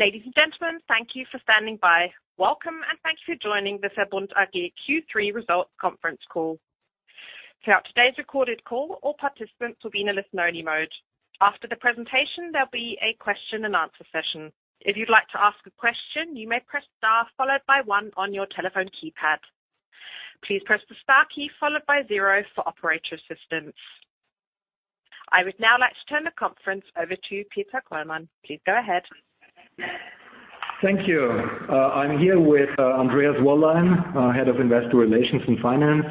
Ladies and gentlemen, thank you for standing by. Welcome, and thank you for joining the VERBUND AG Q3 Results Conference Call. Throughout today's recorded call, all participants will be in a listen-only mode. After the presentation, there'll be a question and answer session. If you'd like to ask a question, you may press star followed by one on your telephone keypad. Please press the star key followed by zero for operator assistance. I would now like to turn the conference over to Peter Kollmann. Please go ahead. Thank you. I'm here with Andreas Wollein, our head of investor relations and finance.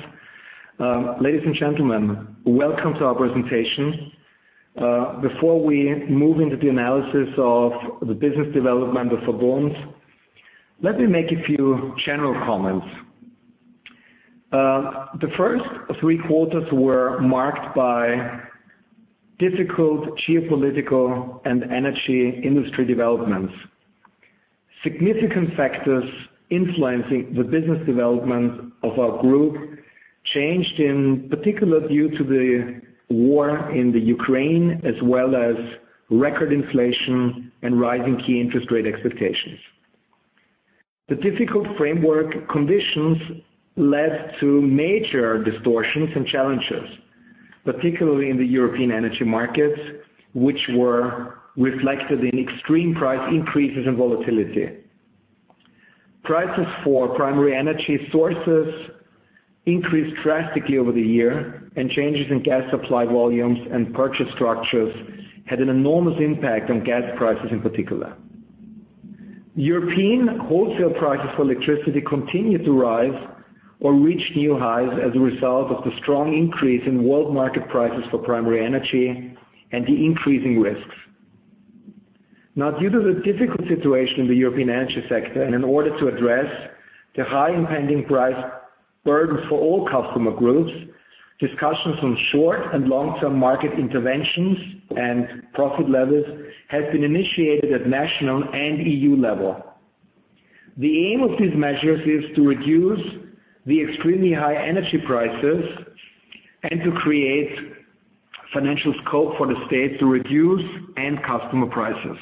Ladies and gentlemen, welcome to our presentation. Before we move into the analysis of the business development of VERBUND, let me make a few general comments. The first three quarters were marked by difficult geopolitical and energy industry developments. Significant factors influencing the business development of our group changed in particular due to the war in the Ukraine, as well as record inflation and rising key interest rate expectations. The difficult framework conditions led to major distortions and challenges, particularly in the European energy markets, which were reflected in extreme price increases and volatility. Prices for primary energy sources increased drastically over the year, and changes in gas supply volumes and purchase structures had an enormous impact on gas prices in particular. European wholesale prices for electricity continued to rise or reach new highs as a result of the strong increase in world market prices for primary energy and the increasing risks. Now, due to the difficult situation in the European energy sector and in order to address the high impending price burden for all customer groups, discussions on short and long-term market interventions and profit levels have been initiated at national and EU level. The aim of these measures is to reduce the extremely high energy prices and to create financial scope for the state to reduce end customer prices.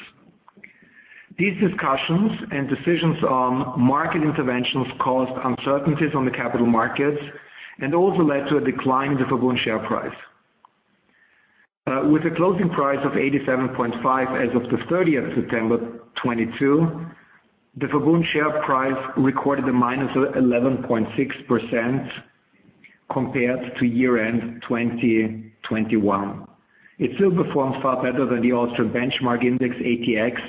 These discussions and decisions on market interventions caused uncertainties on the capital markets and also led to a decline in the VERBUND share price. With a closing price of 87.5 as of 30th September 2022, the VERBUND share price recorded a -11.6% compared to year-end 2021. It still performs far better than the Austrian benchmark index ATX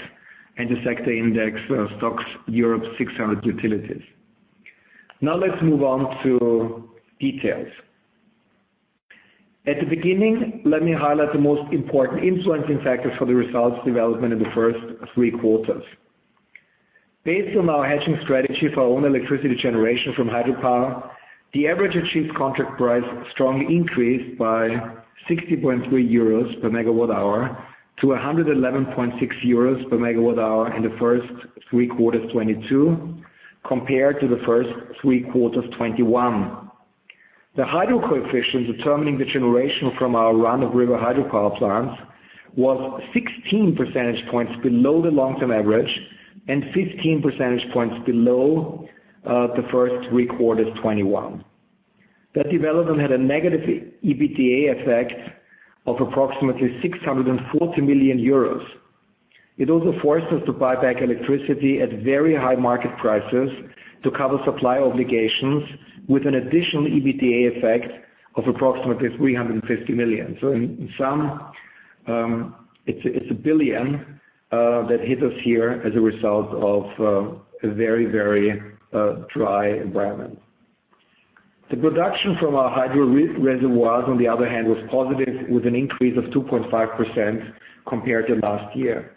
and the sector index, STOXX Europe 600 Utilities. Now let's move on to details. At the beginning, let me highlight the most important influencing factors for the results development in the first three quarters. Based on our hedging strategy for our own electricity generation from hydropower, the average achieved contract price strongly increased by 60.3 euros per MWh to 111.6 euros per MWh in the first three quarters 2022, compared to the first three quarters 2021. The hydro coefficients determining the generation from our run-of-river hydropower plants were 16 percentage points below the long-term average and 15 percentage points below the first three quarters 2021. That development had a negative EBITDA effect of approximately 640 million euros. It also forced us to buy back electricity at very high market prices to cover supply obligations with an additional EBITDA effect of approximately 350 million. In sum, it's 1 billion that hit us here as a result of a very dry environment. The production from our hydro reservoirs, on the other hand, was positive, with an increase of 2.5% compared to last year.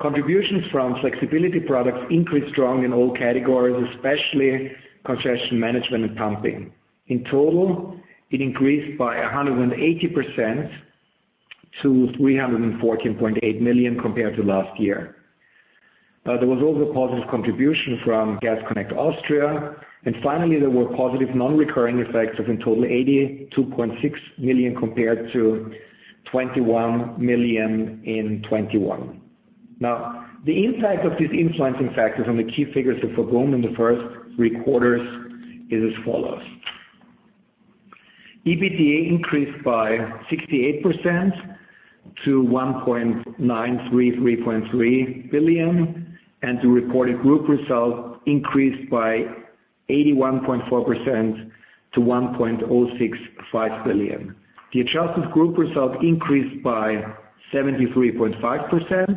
Contributions from flexibility products increased strongly in all categories, especially concession management and pumping. In total, it increased by 180% to 314.8 million compared to last year. There was also positive contribution from Gas Connect Austria. Finally, there were positive non-recurring effects of in total 82.6 million compared to 21 million in 2021. Now, the impact of these influencing factors on the key figures of VERBUND in the first three quarters is as follows. EBITDA increased by 68% to 1.933 billion, and the reported group results increased by 81.4% to 1.065 billion. The adjusted group results increased by 73.5%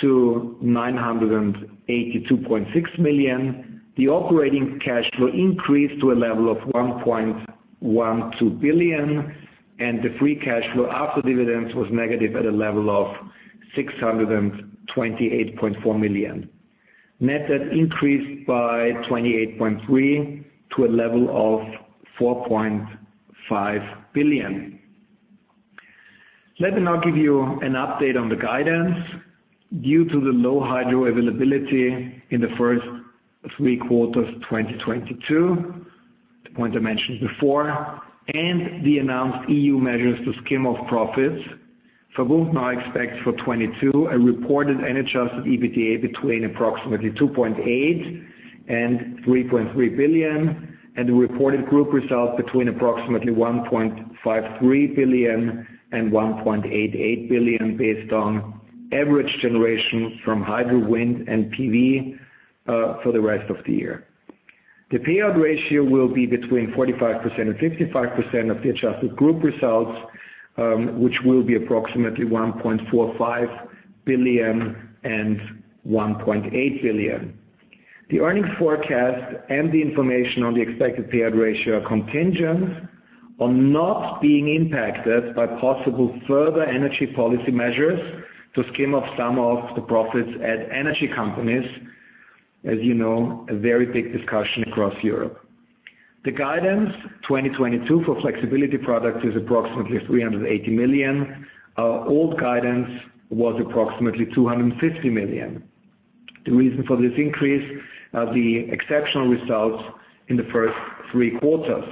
to 982.6 million. The operating cash flow increased to a level of 1.12 billion, and the free cash flow after dividends was negative at a level of 628.4 million. Net debt increased by 28.3 million to a level of 4.5 billion. Let me now give you an update on the guidance. Due to the low hydro availability in the first three quarters of 2022, the point I mentioned before, and the announced EU measures to skim off profits, VERBUND now expects for 2022 a reported unadjusted EBITDA between approximately 2.8 billion and 3.3 billion, and the reported group results between approximately 1.53 billion and 1.88 billion based on average generation from hydro, wind, and PV for the rest of the year. The payout ratio will be between 45%-55% of the adjusted group results, which will be approximately 1.45 billion-1.8 billion. The earnings forecast and the information on the expected payout ratio are contingent on not being impacted by possible further energy policy measures to skim off some of the profits at energy companies. As you know, a very big discussion across Europe. The guidance 2022 for flexibility products is approximately 380 million. Our old guidance was approximately 250 million. The reason for this increase are the exceptional results in the first three quarters.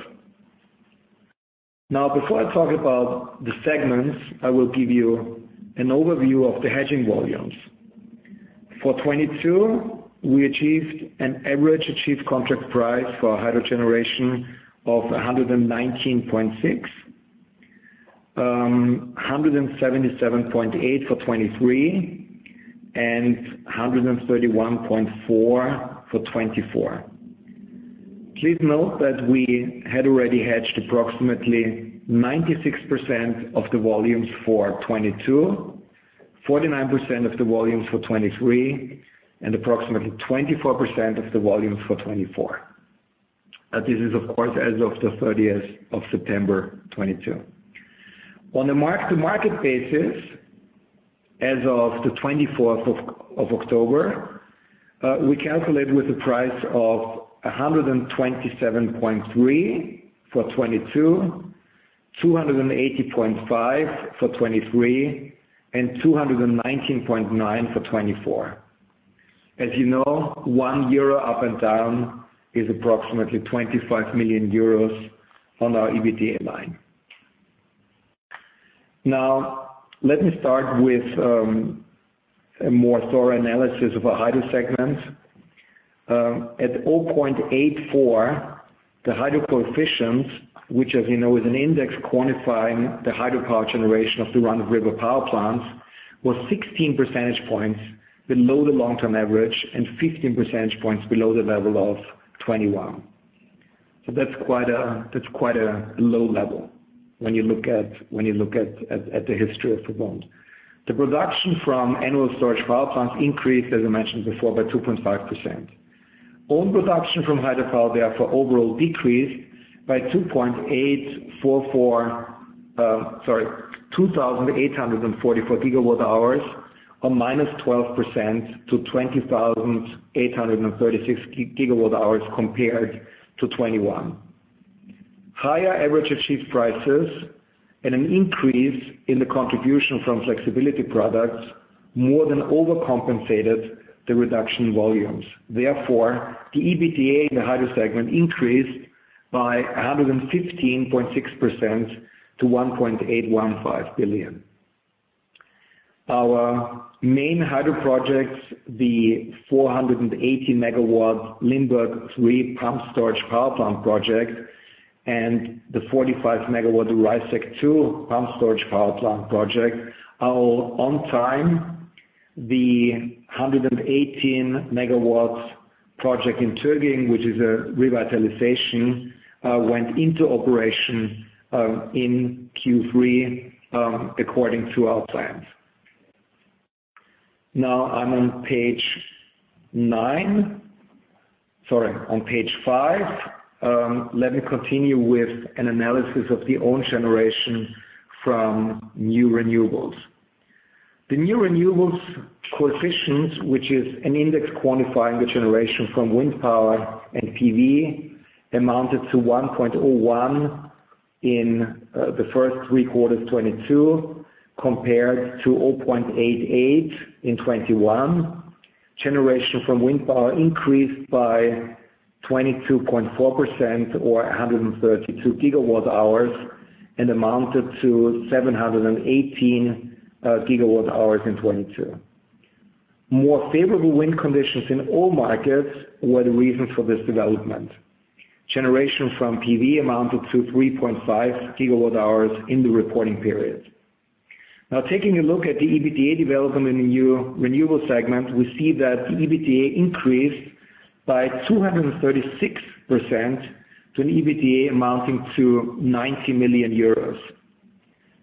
Now, before I talk about the segments, I will give you an overview of the hedging volumes. For 2022, we achieved an average achieved contract price for hydro generation of 119.6, 177.8 for 2023, and 131.4 for 2024. Please note that we had already hedged approximately 96% of the volumes for 2022, 49% of the volumes for 2023, and approximately 24% of the volumes for 2024. This is of course, as of the 30th of September 2022. On a mark-to-market basis, as of the 24th of October, we calculate with a price of 127.3 for 2022, 280.5 for 2023, and 219.9 for 2024. As you know, 1 euro up and down is approximately 25 million euros on our EBITDA line. Now, let me start with a more thorough analysis of our hydro segment. At 0.84, the hydro coefficient, which as you know, is an index quantifying the hydropower generation of the run-of-river power plants, was 16 percentage points below the long-term average and 15 percentage points below the level of 2021. That's quite a low level when you look at the history of VERBUND. The production from annual storage power plants increased, as I mentioned before, by 2.5%. Own production from hydropower, therefore, overall decreased by 2,844 GWh or -12% to 20,836 GWh compared to 2021. Higher average achieved prices and an increase in the contribution from flexibility products more than overcompensated the reduction in volumes. Therefore, the EBITDA in the hydro segment increased by 115.6% to 1.815 billion. Our main hydro projects, the 480 MW Limberg III pumped-storage power plant project and the 45 MW Reisseck II pumped-storage power plant project are on time. The 118 MW project in Töging, which is a revitalization, went into operation in Q3 according to our plans. Now I'm on page 9. Sorry, on page 5. Let me continue with an analysis of the own generation from new renewables. The new renewables coefficients, which is an index quantifying the generation from wind power and PV, amounted to 1.01 in the first three quarters 2022, compared to 0.88 in 2021. Generation from wind power increased by 22.4% or 132 GWh and amounted to 718 GWh in 2022. More favorable wind conditions in all markets were the reason for this development. Generation from PV amounted to 3.5 GWh in the reporting period. Now, taking a look at the EBITDA development in the new renewable segment, we see that the EBITDA increased by 236% to an EBITDA amounting to 90 million euros.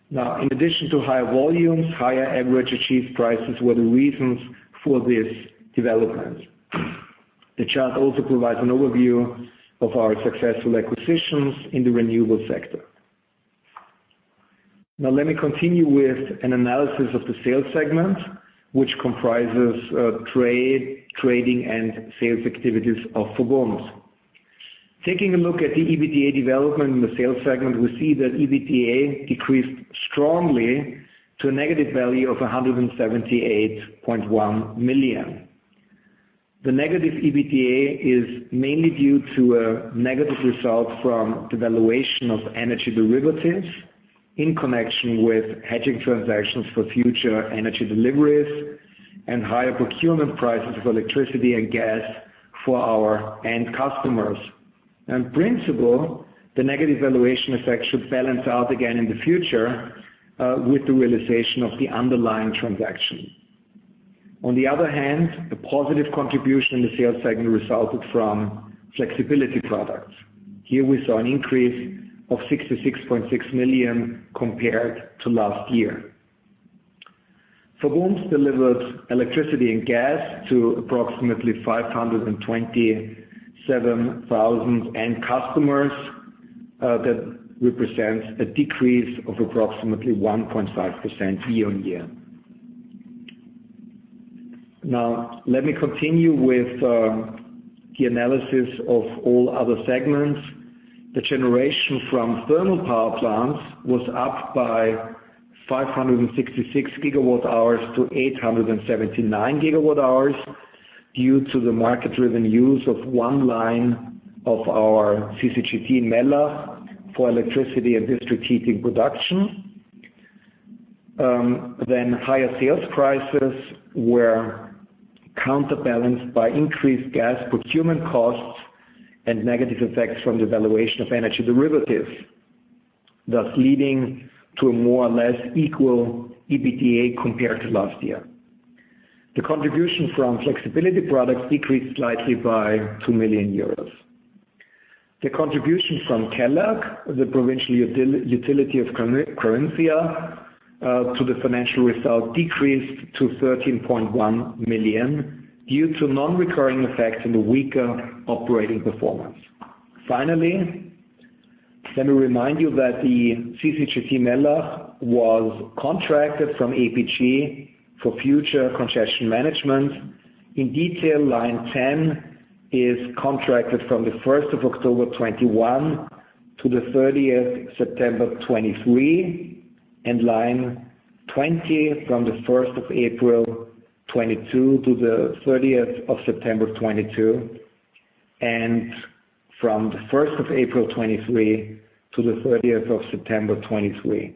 Now, in addition to higher volumes, higher average achieved prices were the reasons for this development. The chart also provides an overview of our successful acquisitions in the renewable sector. Now let me continue with an analysis of the sales segment, which comprises trade, trading, and sales activities of VERBUND. Taking a look at the EBITDA development in the sales segment, we see that EBITDA decreased strongly to a negative value of 178.1 million. The negative EBITDA is mainly due to a negative result from the valuation of energy derivatives in connection with hedging transactions for future energy deliveries and higher procurement prices of electricity and gas for our end customers. In principle, the negative valuation effect should balance out again in the future with the realization of the underlying transaction. On the other hand, the positive contribution in the sales segment resulted from flexibility products. Here we saw an increase of 66.6 million compared to last year. VERBUND delivered electricity and gas to approximately 527,000 end customers. That represents a decrease of approximately 1.5% year-on-year. Now, let me continue with the analysis of all other segments. The generation from thermal power plants was up by 566 GWh to 879 GWh due to the market-driven use of one line of our CCGT Mellach for electricity and district heating production. Then higher sales prices were counterbalanced by increased gas procurement costs and negative effects from the valuation of energy derivatives, thus leading to a more or less equal EBITDA compared to last year. The contribution from flexibility products decreased slightly by 2 million euros. The contribution from KELAG, the provincial utility of Carinthia, to the financial result decreased to 13.1 million due to non-recurring effects and a weaker operating performance. Finally, let me remind you that the CCGT Mellach was contracted from APG for future congestion management. In detail, line ten is contracted from the first of October 2021 to the thirtieth September 2023, and line twenty from the first of April 2022 to the thirtieth of September 2022, and from the first of April 2023 to the thirtieth of September 2023.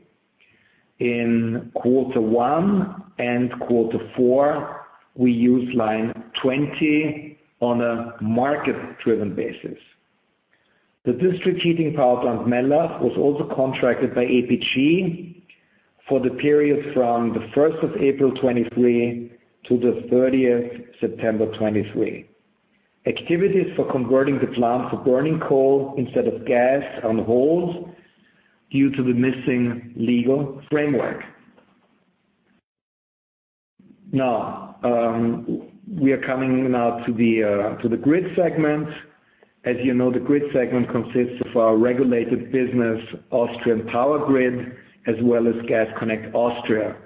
In quarter one and quarter four, we used line twenty on a market-driven basis. The district heating power plant Mellach was also contracted by APG for the period from the first of April 2023 to the thirtieth September 2023. Activities for converting the plant for burning coal instead of gas are on hold due to the missing legal framework. Now, we are coming now to the grid segment. As you know, the grid segment consists of our regulated business, Austrian Power Grid, as well as Gas Connect Austria.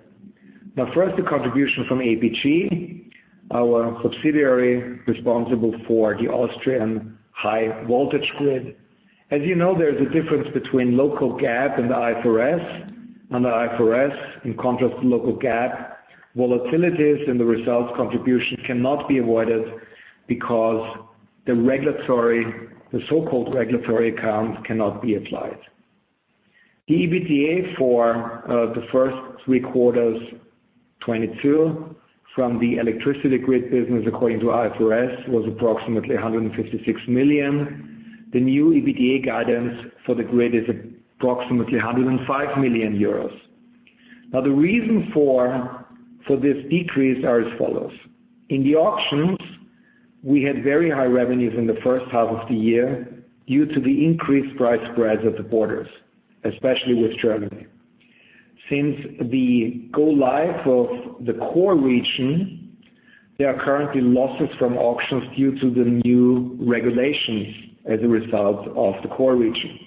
Now, first, the contribution from APG, our subsidiary responsible for the Austrian high voltage grid. As you know, there's a difference between local GAAP and the IFRS. Under IFRS, in contrast to local GAAP, volatilities in the results contribution cannot be avoided because the regulatory, the so-called regulatory account cannot be applied. The EBITDA for the first three quarters 2022 from the electricity grid business according to IFRS was approximately 156 million. The new EBITDA guidance for the grid is approximately 105 million euros. The reason for this decrease are as follows. In the auctions, we had very high revenues in the first half of the year due to the increased price spreads at the borders, especially with Germany. Since the go live of the Core region, there are currently losses from auctions due to the new regulations as a result of the Core region.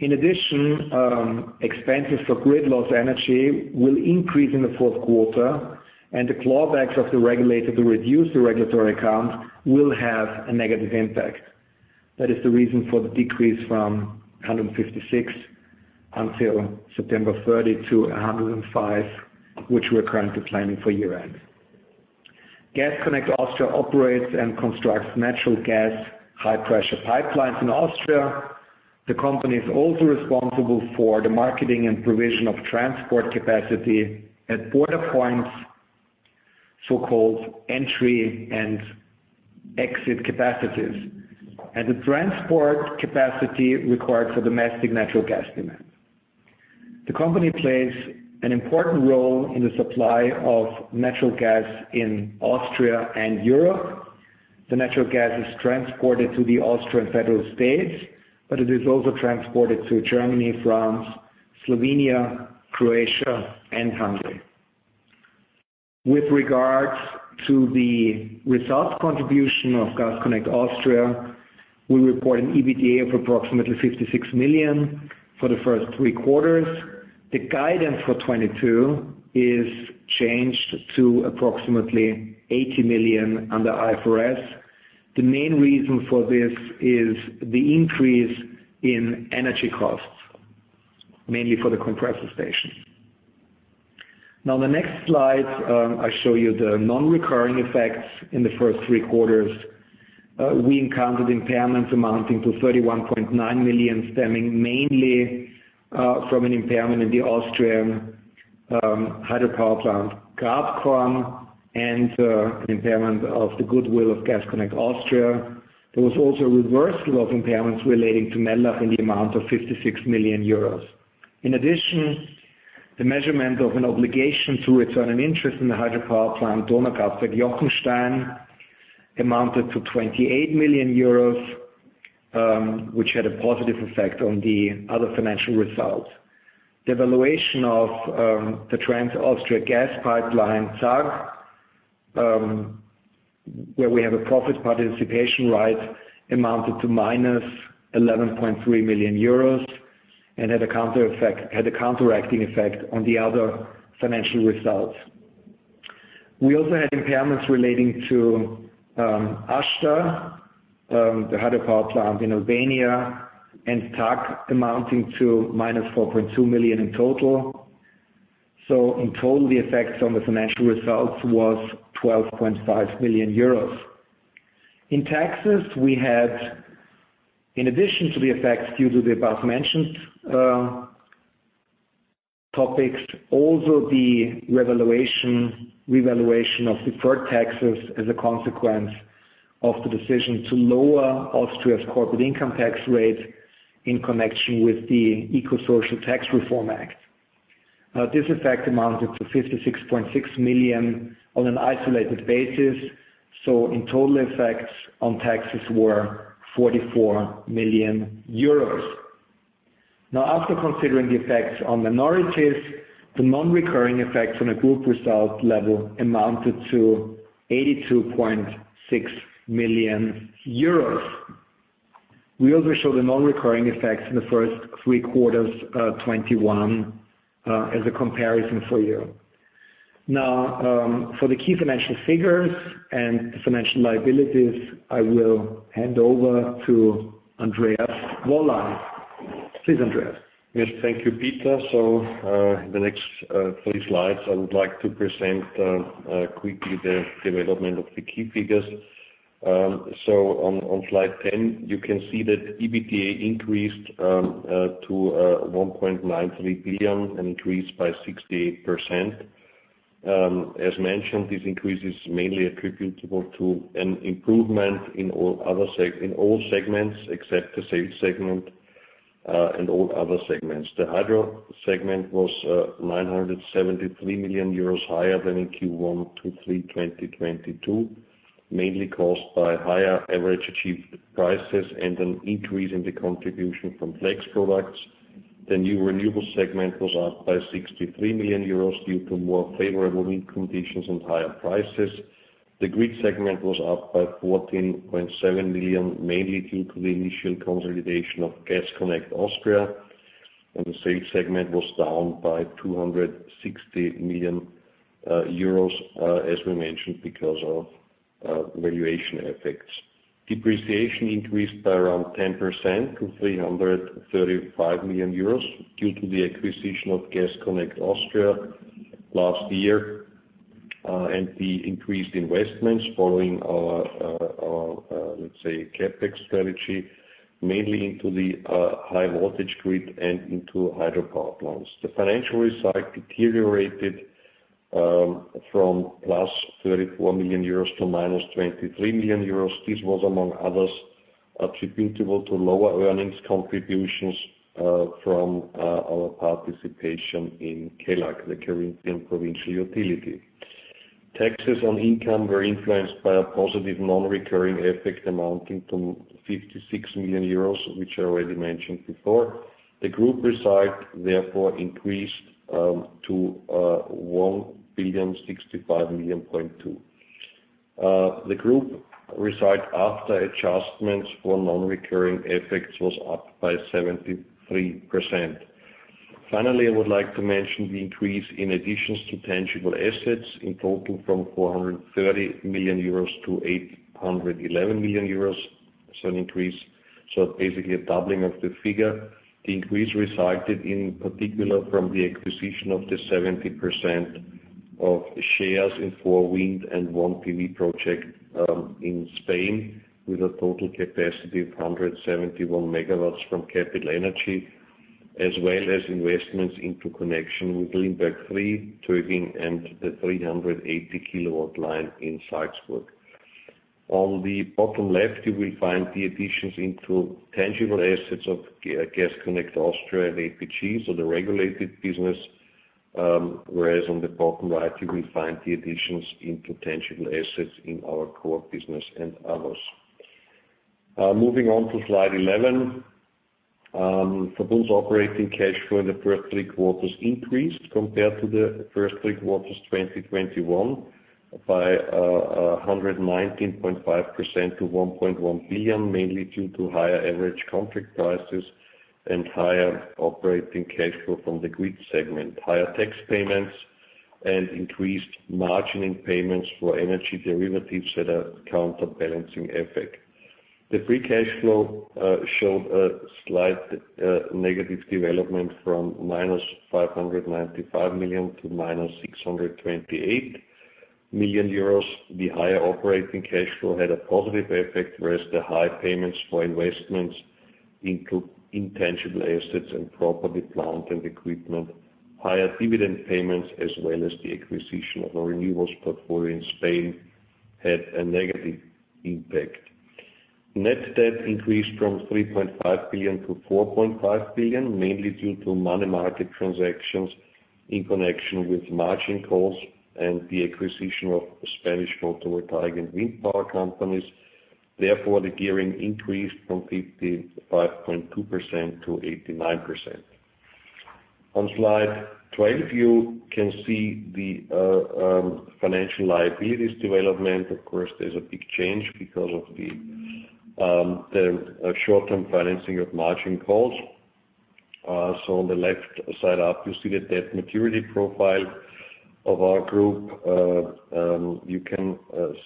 In addition, expenses for grid loss energy will increase in the fourth quarter, and the clawbacks of the regulator to reduce the regulatory account will have a negative impact. That is the reason for the decrease from 156 until September 30 to 105, which we're currently planning for year-end. Gas Connect Austria operates and constructs natural gas high pressure pipelines in Austria. The company is also responsible for the marketing and provision of transport capacity at border points, so-called entry and exit capacities, and the transport capacity required for domestic natural gas demand. The company plays an important role in the supply of natural gas in Austria and Europe. The natural gas is transported to the Austrian federal states, but it is also transported to Germany, France, Slovenia, Croatia, and Hungary. With regards to the results contribution of Gas Connect Austria, we report an EBITDA of approximately 56 million for the first three quarters. The guidance for 2022 is changed to approximately 80 million under IFRS. The main reason for this is the increase in energy costs, mainly for the compressor station. Now the next slide, I show you the non-recurring effects in the first three quarters. We encountered impairments amounting to 31.9 million, stemming mainly from an impairment in the Austrian hydropower plant, Gratkorn, and impairment of the goodwill of Gas Connect Austria. There was also a reversal of impairments relating to Mellach in the amount of 56 million euros. In addition, the measurement of an obligation to return an interest in the hydropower plant, Donaukraftwerk Jochenstein, amounted to 28 million euros, which had a positive effect on the other financial results. The evaluation of the Trans Austria Gasleitung, TAG, where we have a profit participation right, amounted to -11.3 million euros and had a counteracting effect on the other financial results. We also had impairments relating to Ashta, the hydropower plant in Albania, and TAG amounting to -4.2 million in total. In total, the effects on the financial results was 12.5 million euros. In taxes, we had, in addition to the effects due to the above-mentioned topics, also the revaluation of deferred taxes as a consequence of the decision to lower Austria's corporate income tax rate in connection with the Eco-Social Tax Reform Act. This effect amounted to 56.6 million on an isolated basis, so in total effects on taxes were 44 million euros. Now, after considering the effects on minorities, the non-recurring effects on a group result level amounted to 82.6 million euros. We also show the non-recurring effects in the first three quarters 2021 as a comparison for you. Now, for the key financial figures and financial liabilities, I will hand over to Andreas Wollein. Please, Andreas. Yes, thank you, Peter. The next three slides, I would like to present quickly the development of the key figures. On slide 10, you can see that EBITDA increased to 1.93 billion, an increase by 68%. As mentioned, this increase is mainly attributable to an improvement in all segments, except the sales segment, and all other segments. The hydro segment was 973 million euros higher than in Q1-Q3 2022, mainly caused by higher average achieved prices and an increase in the contribution from flexibility products. The new renewable segment was up by 63 million euros due to more favorable wind conditions and higher prices. The grid segment was up by 14.7 million, mainly due to the initial consolidation of Gas Connect Austria. The sales segment was down by 260 million, euros, as we mentioned, because of valuation effects. Depreciation increased by around 10% to 335 million euros due to the acquisition of Gas Connect Austria last year, and the increased investments following our, let's say, CapEx strategy, mainly into the high voltage grid and into hydropower plants. The financial result deteriorated, from plus 34 million euros to minus 23 million euros. This was, among others, attributable to lower earnings contributions, from our participation in KELAG, the Carinthian provincial utility. Taxes on income were influenced by a positive non-recurring effect amounting to 56 million euros, which I already mentioned before. The group result therefore increased to EUR 1,065.2 million. The group result after adjustments for non-recurring effects was up by 73%. Finally, I would like to mention the increase in additions to tangible assets in total from 430 million euros to 811 million euros, an increase. Basically, a doubling of the figure. The increase resulted, in particular, from the acquisition of the 70% of shares in four wind and one PV project in Spain, with a total capacity of 171 megawatts from Capital Energy, as well as investments into connection with Limberg III, Töging, and the 380-kilowatt line in Salzburg. On the bottom left, you will find the additions into tangible assets of Gas Connect Austria and APG, the regulated business. Whereas on the bottom right, you will find the additions into tangible assets in our core business and others. Moving on to slide 11. VERBUND's operating cash flow in the first three quarters increased compared to the first three quarters 2021 by 119.5% to 1.1 billion, mainly due to higher average contract prices and higher operating cash flow from the Grid segment, higher tax payments and increased margining payments for energy derivatives that are counterbalancing effect. The free cash flow showed a slight negative development from -595 million to -628 million euros. The higher operating cash flow had a positive effect, whereas the high payments for investments into intangible assets and property, plant and equipment, higher dividend payments, as well as the acquisition of our renewables portfolio in Spain had a negative impact. Net debt increased from 3.5 billion to 4.5 billion, mainly due to money market transactions in connection with margin calls and the acquisition of Spanish photovoltaic and wind power companies. Therefore, the gearing increased from 55.2% to 89%. On slide 12, you can see the financial liabilities development. Of course, there's a big change because of the short-term financing of margin calls. On the left side up, you see the debt maturity profile of our group. You can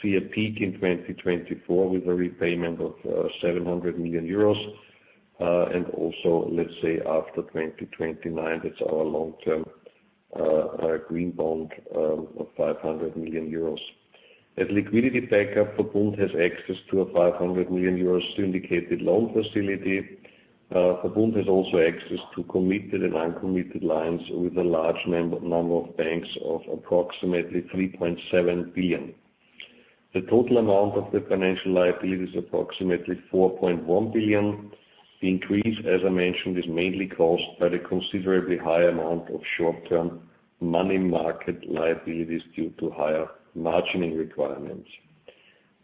see a peak in 2024 with a repayment of 700 million euros, and also, let's say, after 2029, that's our long-term green bond of 500 million euros. As liquidity backup, VERBUND has access to a 500 million euros syndicated loan facility. VERBUND has also access to committed and uncommitted lines with a large number of banks of approximately 3.7 billion. The total amount of the financial liability is approximately 4.1 billion. The increase, as I mentioned, is mainly caused by the considerably high amount of short-term money market liabilities due to higher margining requirements.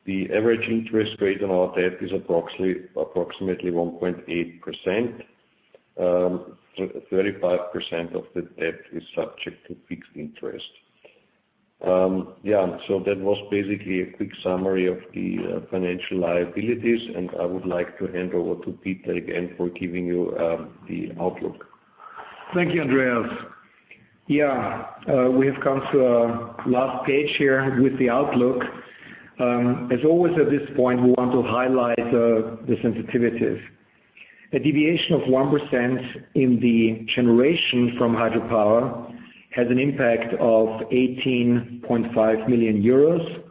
The average interest rate on our debt is approximately 1.8%. 35% of the debt is subject to fixed interest. That was basically a quick summary of the financial liabilities, and I would like to hand over to Peter again for giving you the outlook. Thank you, Andreas. We have come to our last page here with the outlook. As always at this point, we want to highlight the sensitivities. A deviation of 1% in the generation from hydropower has an impact of 18.5 million euros.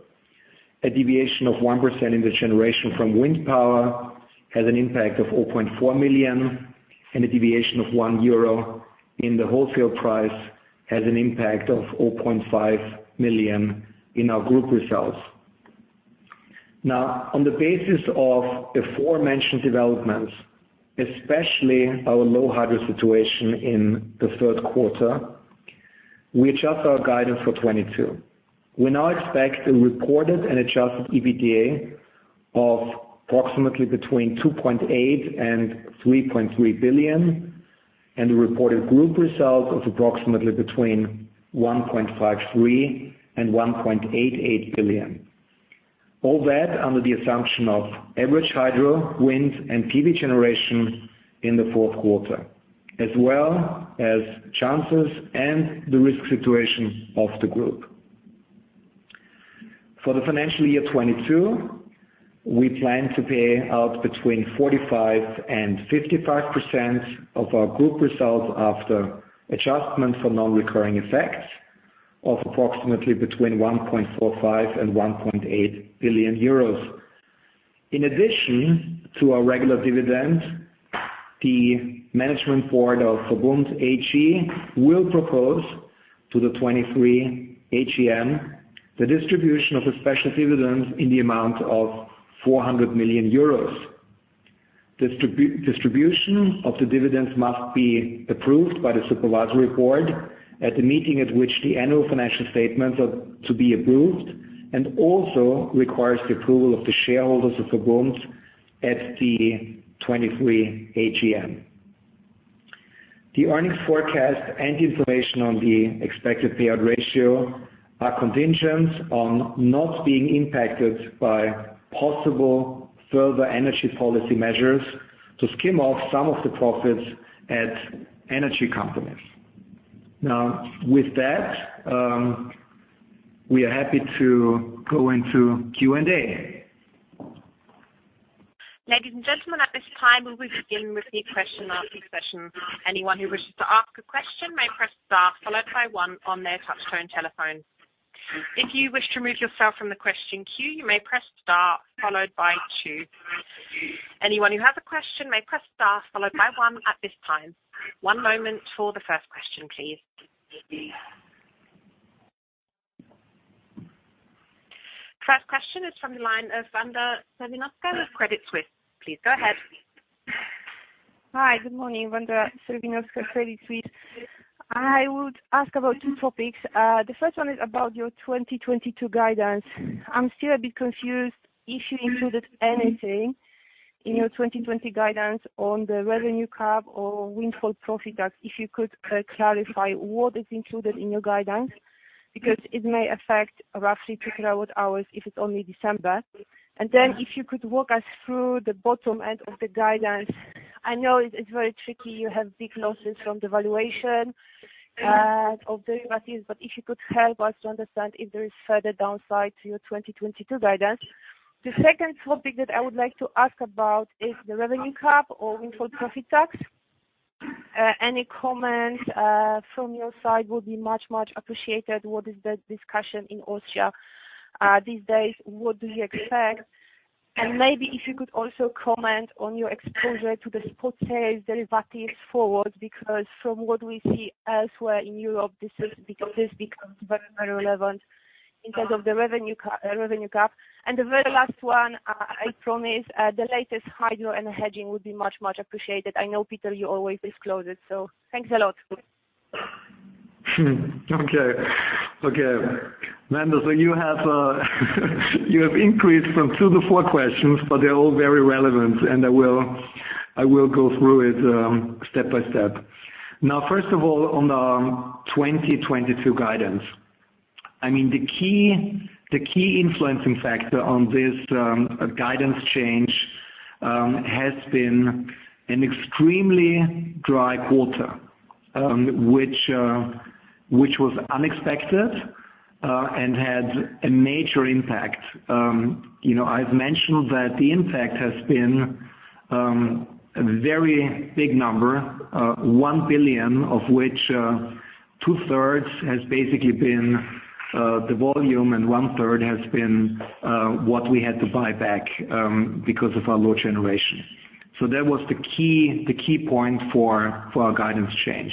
A deviation of 1% in the generation from wind power has an impact of 4.4 million, and a deviation of 1 euro in the wholesale price has an impact of 4.5 million in our group results. Now, on the basis of aforementioned developments, especially our low hydro situation in the third quarter, we adjust our guidance for 2022. We now expect a reported and adjusted EBITDA of approximately between 2.8 billion and 3.3 billion, and a reported group result of approximately between 1.53 billion and 1.88 billion. All that under the assumption of average hydro, wind and PV generation in the fourth quarter, as well as chances and the risk situation of the group. For the financial year 2022, we plan to pay out between 45% and 55% of our group results after adjustment for non-recurring effects of approximately between 1.45 billion and 1.8 billion euros. In addition to our regular dividend, the management board of VERBUND AG will propose to the 2023 AGM the distribution of a special dividend in the amount of 400 million euros. Distribution of the dividends must be approved by the supervisory board at the meeting at which the annual financial statements are to be approved, and also requires the approval of the shareholders of VERBUND at the 2023 AGM. The earnings forecast and information on the expected payout ratio are contingent on not being impacted by possible further energy policy measures to skim off some of the profits at energy companies. Now, with that, we are happy to go into Q&A. Ladies and gentlemen, at this time, we will begin with the question and answer session. Anyone who wishes to ask a question may press star followed by one on their touchtone telephone. If you wish to remove yourself from the question queue, you may press star followed by two. Anyone who has a question may press star followed by one at this time. One moment for the first question, please. First question is from the line of Wanda Serwinowska, Credit Suisse. Please go ahead. Hi. Good morning. Wanda Serwinowska, Credit Suisse. I would ask about two topics. The first one is about your 2022 guidance. I'm still a bit confused if you included anything. In your 2020 guidance on the revenue cap or windfall profit tax, if you could clarify what is included in your guidance, because it may affect roughly 2 TWh if it's only December. If you could walk us through the bottom end of the guidance. I know it's very tricky. You have big losses from the valuation of derivatives, but if you could help us to understand if there is further downside to your 2022 guidance. The second topic that I would like to ask about is the revenue cap or windfall profit tax. Any comments from your side would be much, much appreciated. What is the discussion in Austria these days? What do you expect? Maybe if you could also comment on your exposure to the spot sales derivatives forward, because from what we see elsewhere in Europe, this is because this becomes very, very relevant in terms of the revenue cap. The very last one, I promise, the latest hydro and hedging would be much, much appreciated. I know, Peter, you always disclose it, so thanks a lot. Okay. Wanda Serwinowska, you have increased from two to four questions, but they're all very relevant, and I will go through it step by step. Now, first of all, on 2022 guidance, I mean, the key influencing factor on this guidance change has been an extremely dry quarter, which was unexpected and had a major impact. You know, I've mentioned that the impact has been a very big number, 1 billion, of which two-thirds has basically been the volume, and one-third has been what we had to buy back because of our low generation. That was the key point for our guidance change.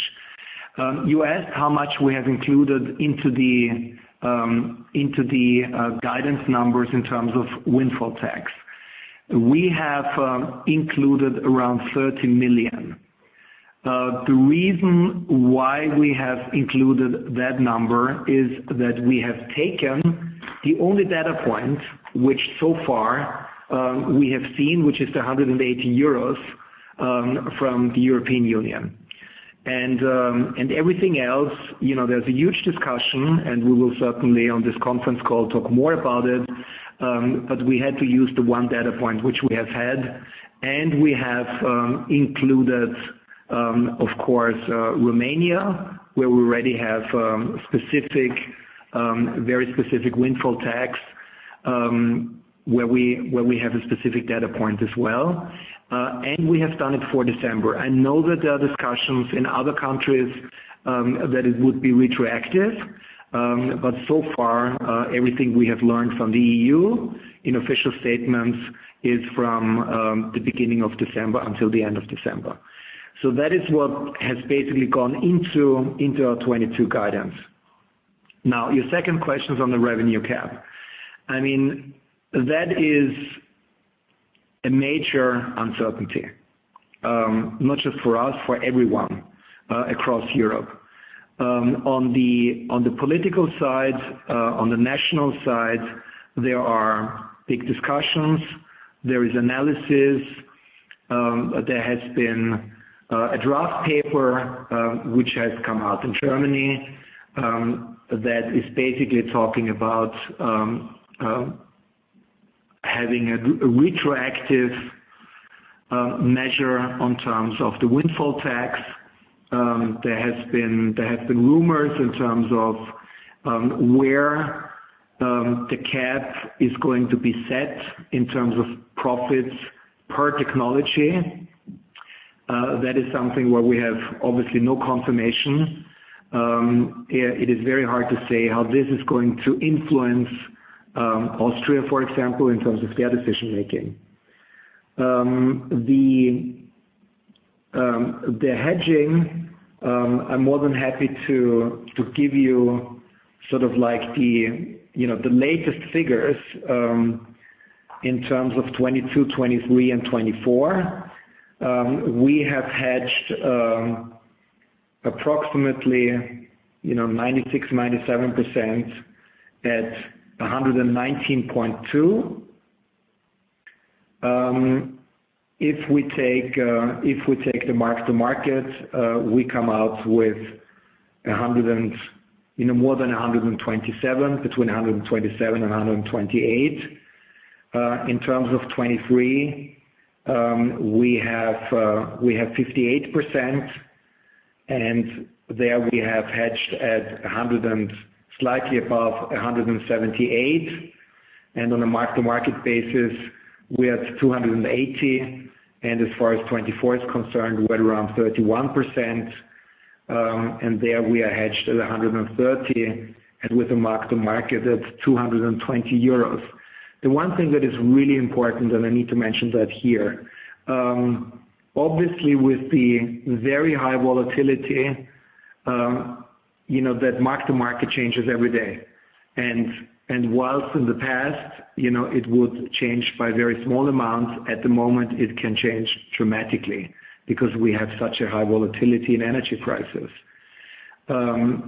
You asked how much we have included into the guidance numbers in terms of windfall tax. We have included around 30 million. The reason why we have included that number is that we have taken the only data point which so far we have seen, which is the 180 euros from the European Union. Everything else, you know, there's a huge discussion, and we will certainly on this conference call talk more about it. But we had to use the one data point which we have had, and we have included, of course, Romania, where we already have specific, very specific windfall tax, where we have a specific data point as well. We have done it for December. I know that there are discussions in other countries that it would be retroactive. So far, everything we have learned from the EU in official statements is from the beginning of December until the end of December. That is what has basically gone into our 2022 guidance. Now, your second question is on the revenue cap. I mean, that is a major uncertainty, not just for us, for everyone across Europe. On the political side, on the national side, there are big discussions. There is analysis. There has been a draft paper which has come out in Germany that is basically talking about having a retroactive measure in terms of the windfall tax. There has been rumors in terms of where the cap is going to be set in terms of profits per technology. That is something where we have obviously no confirmation. It is very hard to say how this is going to influence Austria, for example, in terms of their decision-making. The hedging, I'm more than happy to give you sort of like the, you know, the latest figures in terms of 2022, 2023 and 2024. We have hedged approximately, you know, 96%-97% at EUR 119.2. If we take the mark-to-market, we come out with a hundred and. You know, more than 127, between 127 and 128. In terms of 2023, we have 58%, and there we have hedged at 100 and slightly above 178. On a mark-to-market basis, we have 280. As far as 2024 is concerned, we're around 31%, and there we are hedged at 130. With the mark-to-market, that's 220. The one thing that is really important, and I need to mention that here, obviously with the very high volatility, you know, that mark-to-market changes every day. While in the past, you know, it would change by very small amounts, at the moment it can change dramatically because we have such a high volatility in energy prices. With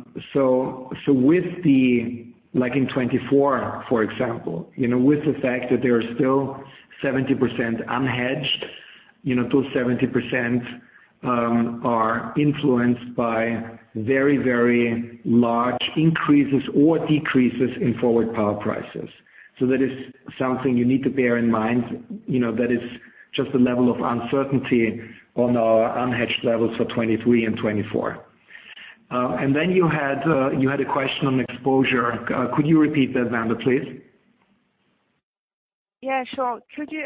the, like in 2024, for example, you know, with the fact that there are still 70% unhedged, you know, those 70% are influenced by very, very large increases or decreases in forward power prices. That is something you need to bear in mind, you know, that is just the level of uncertainty on our unhedged levels for 2023 and 2024. Then you had a question on exposure. Could you repeat that, Wanda, please? Yeah, sure. Could you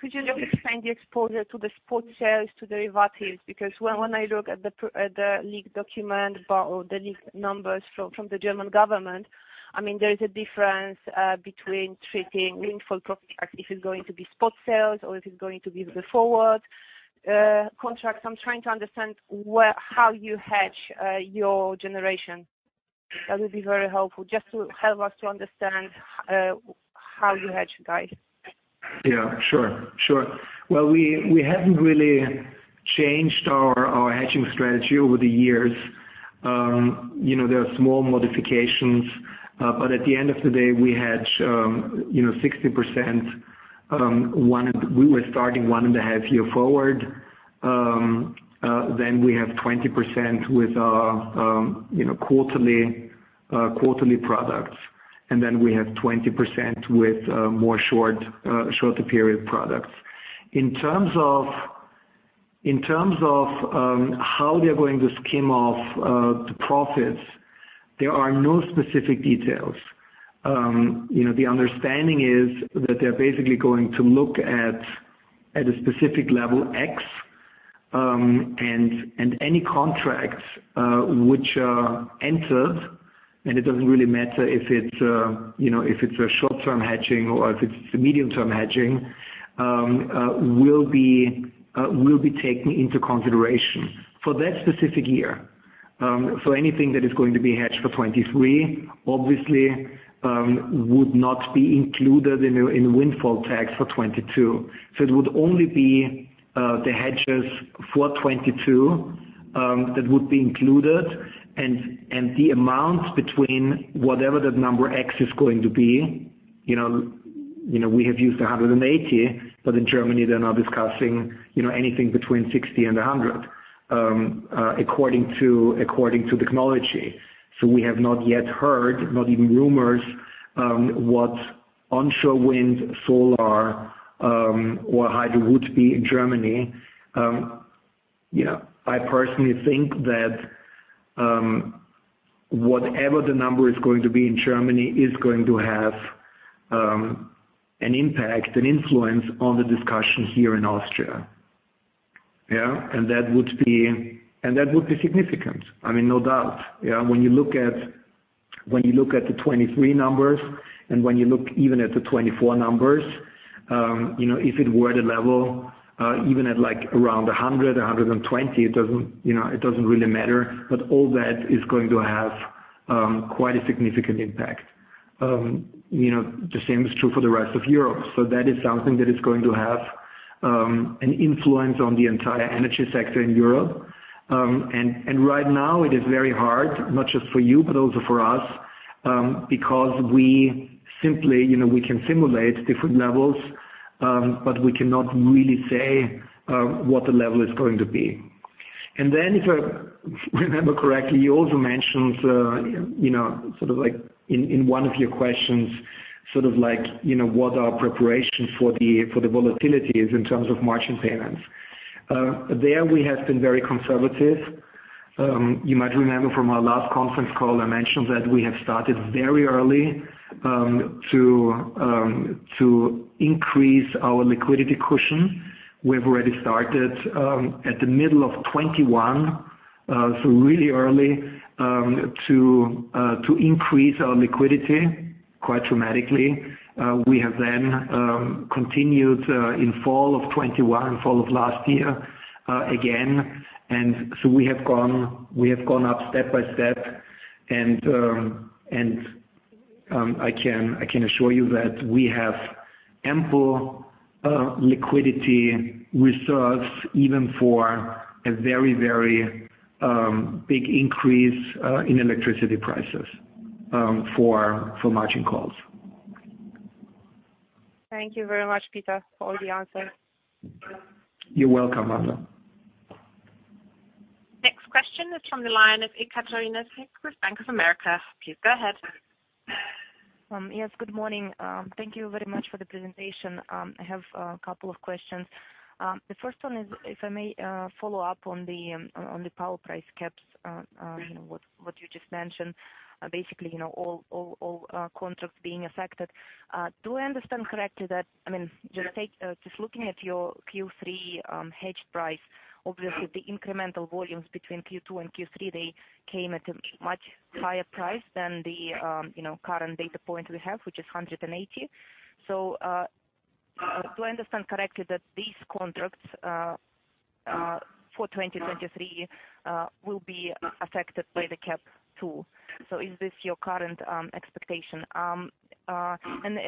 just explain the exposure to the spot sales to derivatives? Because when I look at the leaked document or the leaked numbers from the German government, I mean, there is a difference between treating windfall profit, if it's going to be spot sales or if it's going to be the forward contracts. I'm trying to understand how you hedge your generation. That would be very helpful just to help us to understand how you hedge, guys. Yeah, sure. Well, we haven't really changed our hedging strategy over the years. You know, there are small modifications, but at the end of the day, we hedge 60% 1.5 years forward, then we have 20% with quarterly products, and then we have 20% with shorter period products. In terms of how they are going to skim off the profits, there are no specific details. You know, the understanding is that they're basically going to look at a specific level X, and any contracts which are entered, and it doesn't really matter if it's, you know, if it's a short-term hedging or if it's a medium-term hedging, will be taken into consideration for that specific year. So anything that is going to be hedged for 2023 obviously would not be included in a windfall tax for 2022. So it would only be the hedges for 2022 that would be included and the amount between whatever that number X is going to be, you know, we have used 180, but in Germany they're now discussing, you know, anything between 60 and 100, according to the technology. We have not yet heard, not even rumors, what onshore wind, solar, or hydro would be in Germany. You know, I personally think that whatever the number is going to be in Germany is going to have an impact, an influence on the discussion here in Austria. Yeah. That would be significant. I mean, no doubt, yeah. When you look at the 2023 numbers, and when you look even at the 2024 numbers, you know, if it were at a level, even at, like, around 100-120, it doesn't really matter, but all that is going to have quite a significant impact. You know, the same is true for the rest of Europe. That is something that is going to have an influence on the entire energy sector in Europe. Right now it is very hard, not just for you, but also for us, because we simply, you know, we can simulate different levels, but we cannot really say what the level is going to be. If I remember correctly, you also mentioned, you know, sort of like in one of your questions, sort of like, you know, what our preparation for the volatility is in terms of margin payments. There we have been very conservative. You might remember from our last conference call, I mentioned that we have started very early to increase our liquidity cushion. We've already started at the middle of 2021, so really early, to increase our liquidity quite dramatically. We have then continued in fall of 2021, fall of last year, again. We have gone up step by step and I can assure you that we have ample liquidity reserves even for a very, very big increase in electricity prices for margin calls. Thank you very much, Peter, for all the answers. You're welcome, Wanda. Next question is from the line of Ekaterina Haigh with Bank of America. Please go ahead. Yes, good morning. Thank you very much for the presentation. I have a couple of questions. The first one is if I may, follow up on the power price caps, you know, what you just mentioned, basically, you know, all contracts being affected. Do I understand correctly that, I mean? Yeah. Just looking at your Q3 hedged price, obviously the incremental volumes between Q2 and Q3, they came at a much higher price than the, you know, current data point we have, which is 180. Do I understand correctly that these contracts for 2023 will be affected by the cap too? Is this your current expectation? A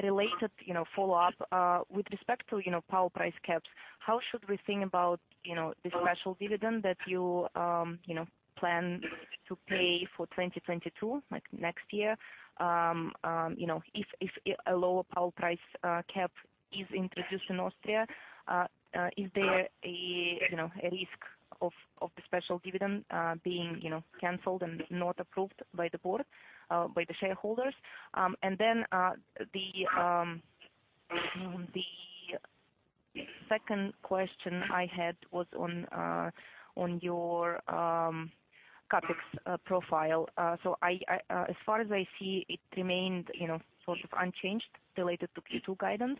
related, you know, follow-up with respect to, you know, power price caps, how should we think about, you know, the special dividend that you know, plan to pay for 2022, like next year, you know, if a lower power price cap is introduced in Austria, is there a risk of the special dividend being, you know, canceled and not approved by the board by the shareholders? The second question I had was on your CapEx profile. I as far as I see, it remained, you know, sort of unchanged related to Q2 guidance.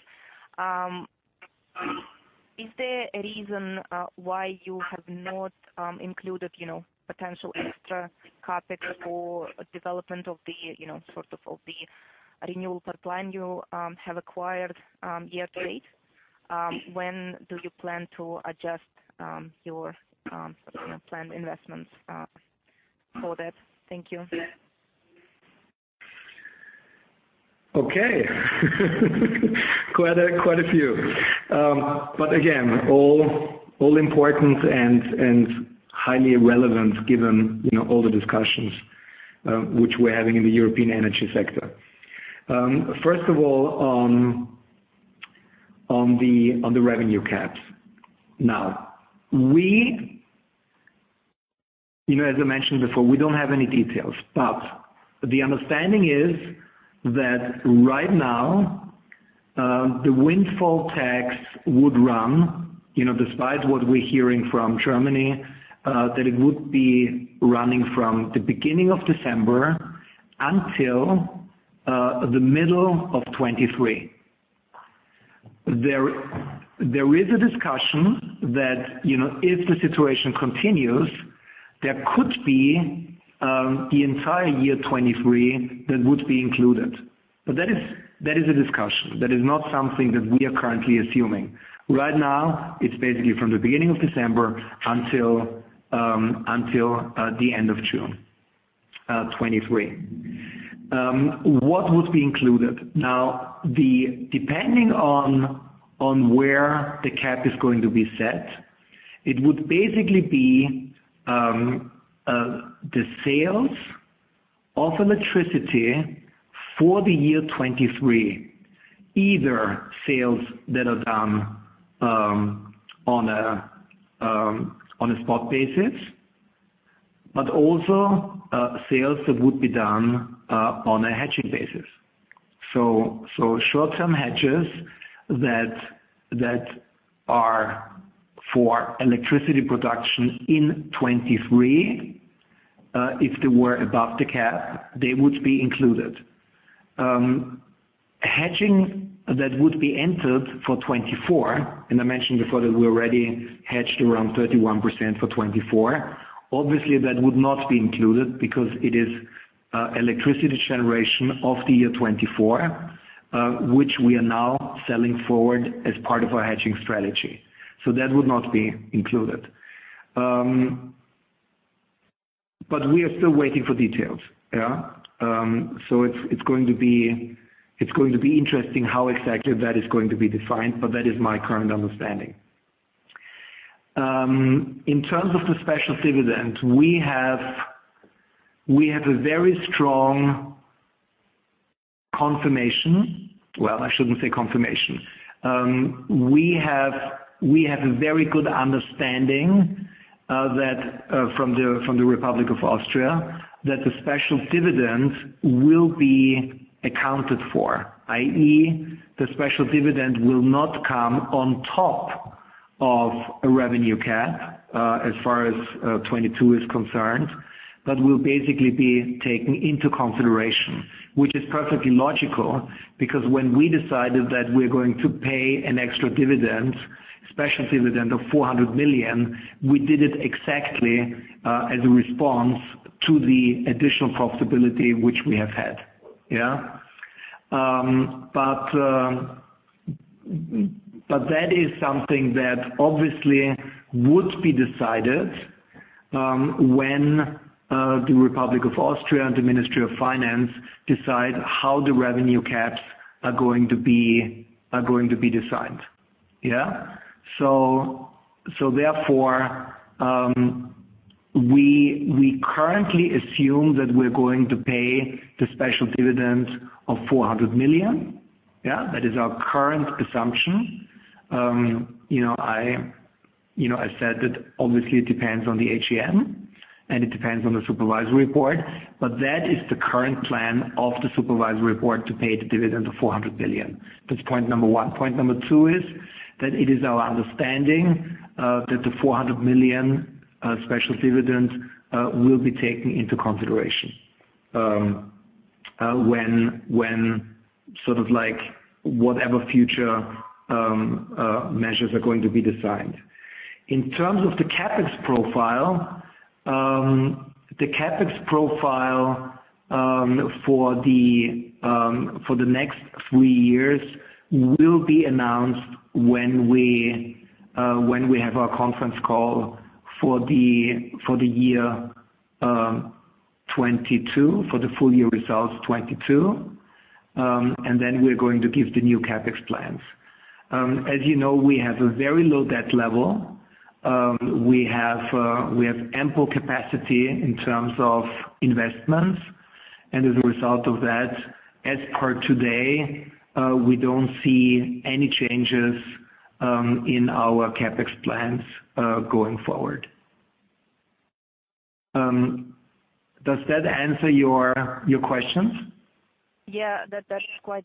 Is there a reason why you have not included, you know, potential extra CapEx for development of the, you know, sort of the renewable pipeline you have acquired year to date? When do you plan to adjust your, you know, planned investments for that? Thank you. Okay. Quite a few. But again, all important and highly relevant given, you know, all the discussions which we're having in the European energy sector. First of all, on the revenue caps. Now, we. You know, as I mentioned before, we don't have any details. The understanding is that right now, the windfall tax would run, you know, despite what we're hearing from Germany, that it would be running from the beginning of December until the middle of 2023. There is a discussion that, you know, if the situation continues, there could be the entire year 2023 that would be included. That is a discussion. That is not something that we are currently assuming. Right now, it's basically from the beginning of December until the end of June 2023. What would be included? Now, depending on where the cap is going to be set, it would basically be the sales of electricity for the year 2023, either sales that are done on a spot basis, but also sales that would be done on a hedging basis. Short-term hedges that are for electricity production in 2023, if they were above the cap, they would be included. Hedging that would be entered for 2024, and I mentioned before that we already hedged around 31% for 2024. Obviously, that would not be included because it is electricity generation of the year 2024, which we are now selling forward as part of our hedging strategy. That would not be included. We are still waiting for details. It's going to be interesting how exactly that is going to be defined, but that is my current understanding. In terms of the special dividend, we have a very strong confirmation. Well, I shouldn't say confirmation. We have a very good understanding that from the Republic of Austria that the special dividend will be accounted for, i.e., the special dividend will not come on top of a revenue cap, as far as 2022 is concerned, but will basically be taken into consideration, which is perfectly logical. Because when we decided that we're going to pay an extra dividend, special dividend of 400 million, we did it exactly as a response to the additional profitability which we have had, yeah. That is something that obviously would be decided when the Republic of Austria and the Ministry of Finance decide how the revenue caps are going to be designed, yeah. Therefore we currently assume that we're going to pay the special dividend of 400 million, yeah. That is our current assumption. You know, you know I said that obviously it depends on the AGM, and it depends on the supervisory board, that is the current plan of the supervisory board to pay the dividend of 400 billion. That's point number one. Point number two is that it is our understanding that the 400 million special dividend will be taken into consideration when sort of like whatever future measures are going to be designed. In terms of the CapEx profile for the next three years will be announced when we have our conference call for the year 2022. For the full year results 2022. Then we're going to give the new CapEx plans. As you know, we have a very low debt level. We have ample capacity in terms of investments. As a result of that, as per today, we don't see any changes in our CapEx plans going forward. Does that answer your questions? Yeah. That's quite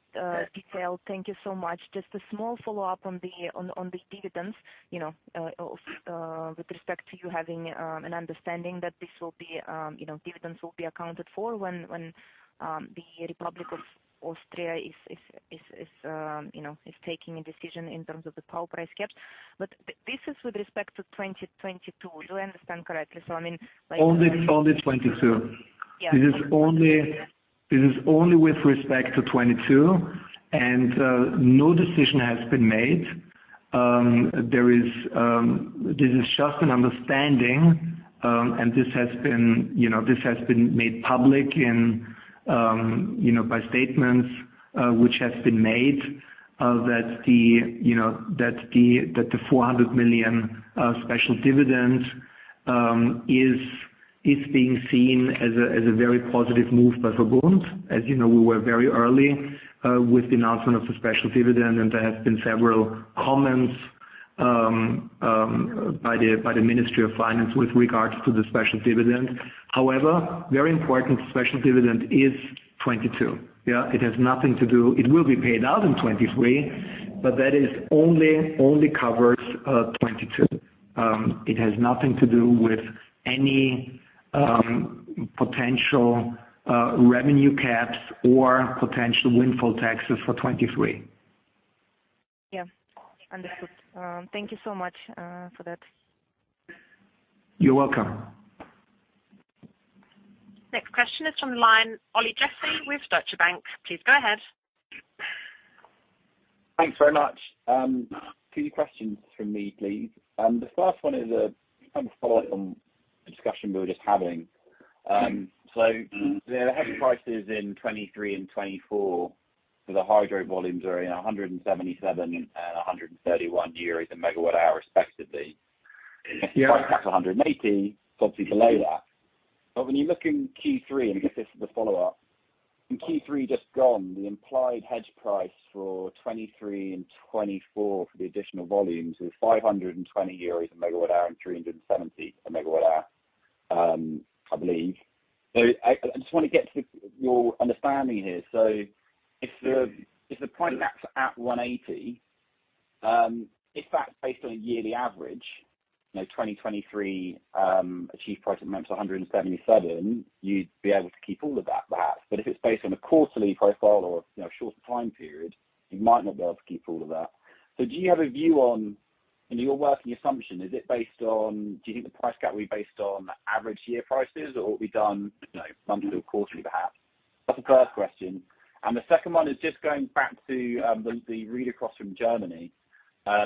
detailed. Thank you so much. Just a small follow-up on the dividends. You know, with respect to you having an understanding that this will be, you know, dividends will be accounted for when the Republic of Austria is, you know, taking a decision in terms of the power price caps. This is with respect to 2022. Do I understand correctly? I mean, like- Only 22. Yeah. This is only with respect to 2022, and no decision has been made. This is just an understanding, and this has been, you know, made public, you know, by statements which have been made that the, you know, the 400 million special dividend is being seen as a very positive move by VERBUND. As you know, we were very early with the announcement of the special dividend, and there has been several comments by the Ministry of Finance with regards to the special dividend. However, very important special dividend is 2022. Yeah, it has nothing to do. It will be paid out in 2023, but that only covers 2022. It has nothing to do with any potential revenue caps or potential windfall taxes for 2023. Yeah. Understood. Thank you so much for that. You're welcome. Next question is from the line, Olly Jeffery with Deutsche Bank. Please go ahead. Thanks very much. Two questions from me, please. The first one is a kind of follow-up on the discussion we were just having. The hedge prices in 2023 and 2024 for the hydro volumes are, you know, 177/MWh and 131 euros/MWh respectively. Yeah. If you price cap 180, it's obviously below that. When you look in Q3, and I guess this is the follow-up, in Q3 just gone, the implied hedge price for 2023 and 2024 for the additional volumes was EUR 520/MWh and 370/MWh, I believe. I just want to get to your understanding here. If the price caps at 180, if that's based on a yearly average, you know, 2023, average price of 177, you'd be able to keep all of that perhaps. If it's based on a quarterly profile or, you know, shorter time period, you might not be able to keep all of that. Do you have a view on in your working assumption, is it based on, do you think the price cap will be based on average year prices or will it be done, you know, monthly or quarterly perhaps? That's the first question. The second one is just going back to the read across from Germany.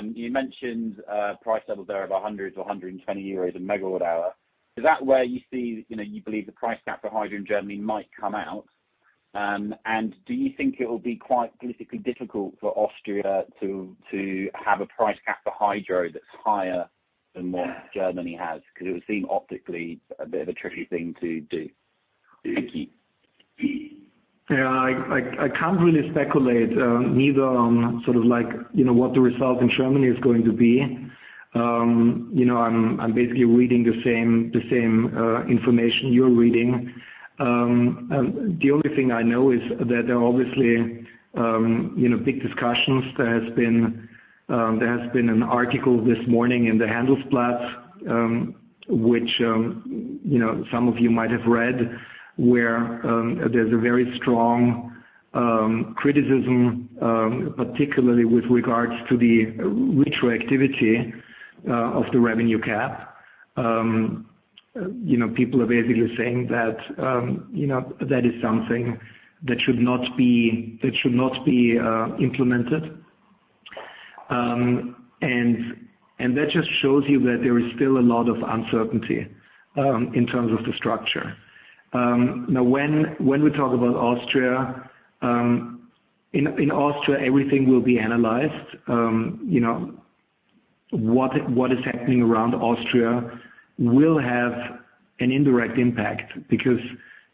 You mentioned price levels there of 100-120 euros per megawatt hour. Is that where you see, you know, you believe the price cap for hydro in Germany might come out? Do you think it'll be quite politically difficult for Austria to have a price cap for hydro that's higher than what Germany has? Because it would seem optically a bit of a tricky thing to do. Thank you. Yeah, I can't really speculate, neither on sort of like, you know, what the result in Germany is going to be. You know, I'm basically reading the same information you're reading. The only thing I know is that there are obviously, you know, big discussions. There has been an article this morning in the Handelsblatt, which, you know, some of you might have read where there's a very strong criticism, particularly with regards to the retroactivity of the revenue cap. You know, people are basically saying that, you know, that is something that should not be implemented. That just shows you that there is still a lot of uncertainty in terms of the structure. Now when we talk about Austria, in Austria, everything will be analyzed. You know, what is happening around Austria will have an indirect impact because,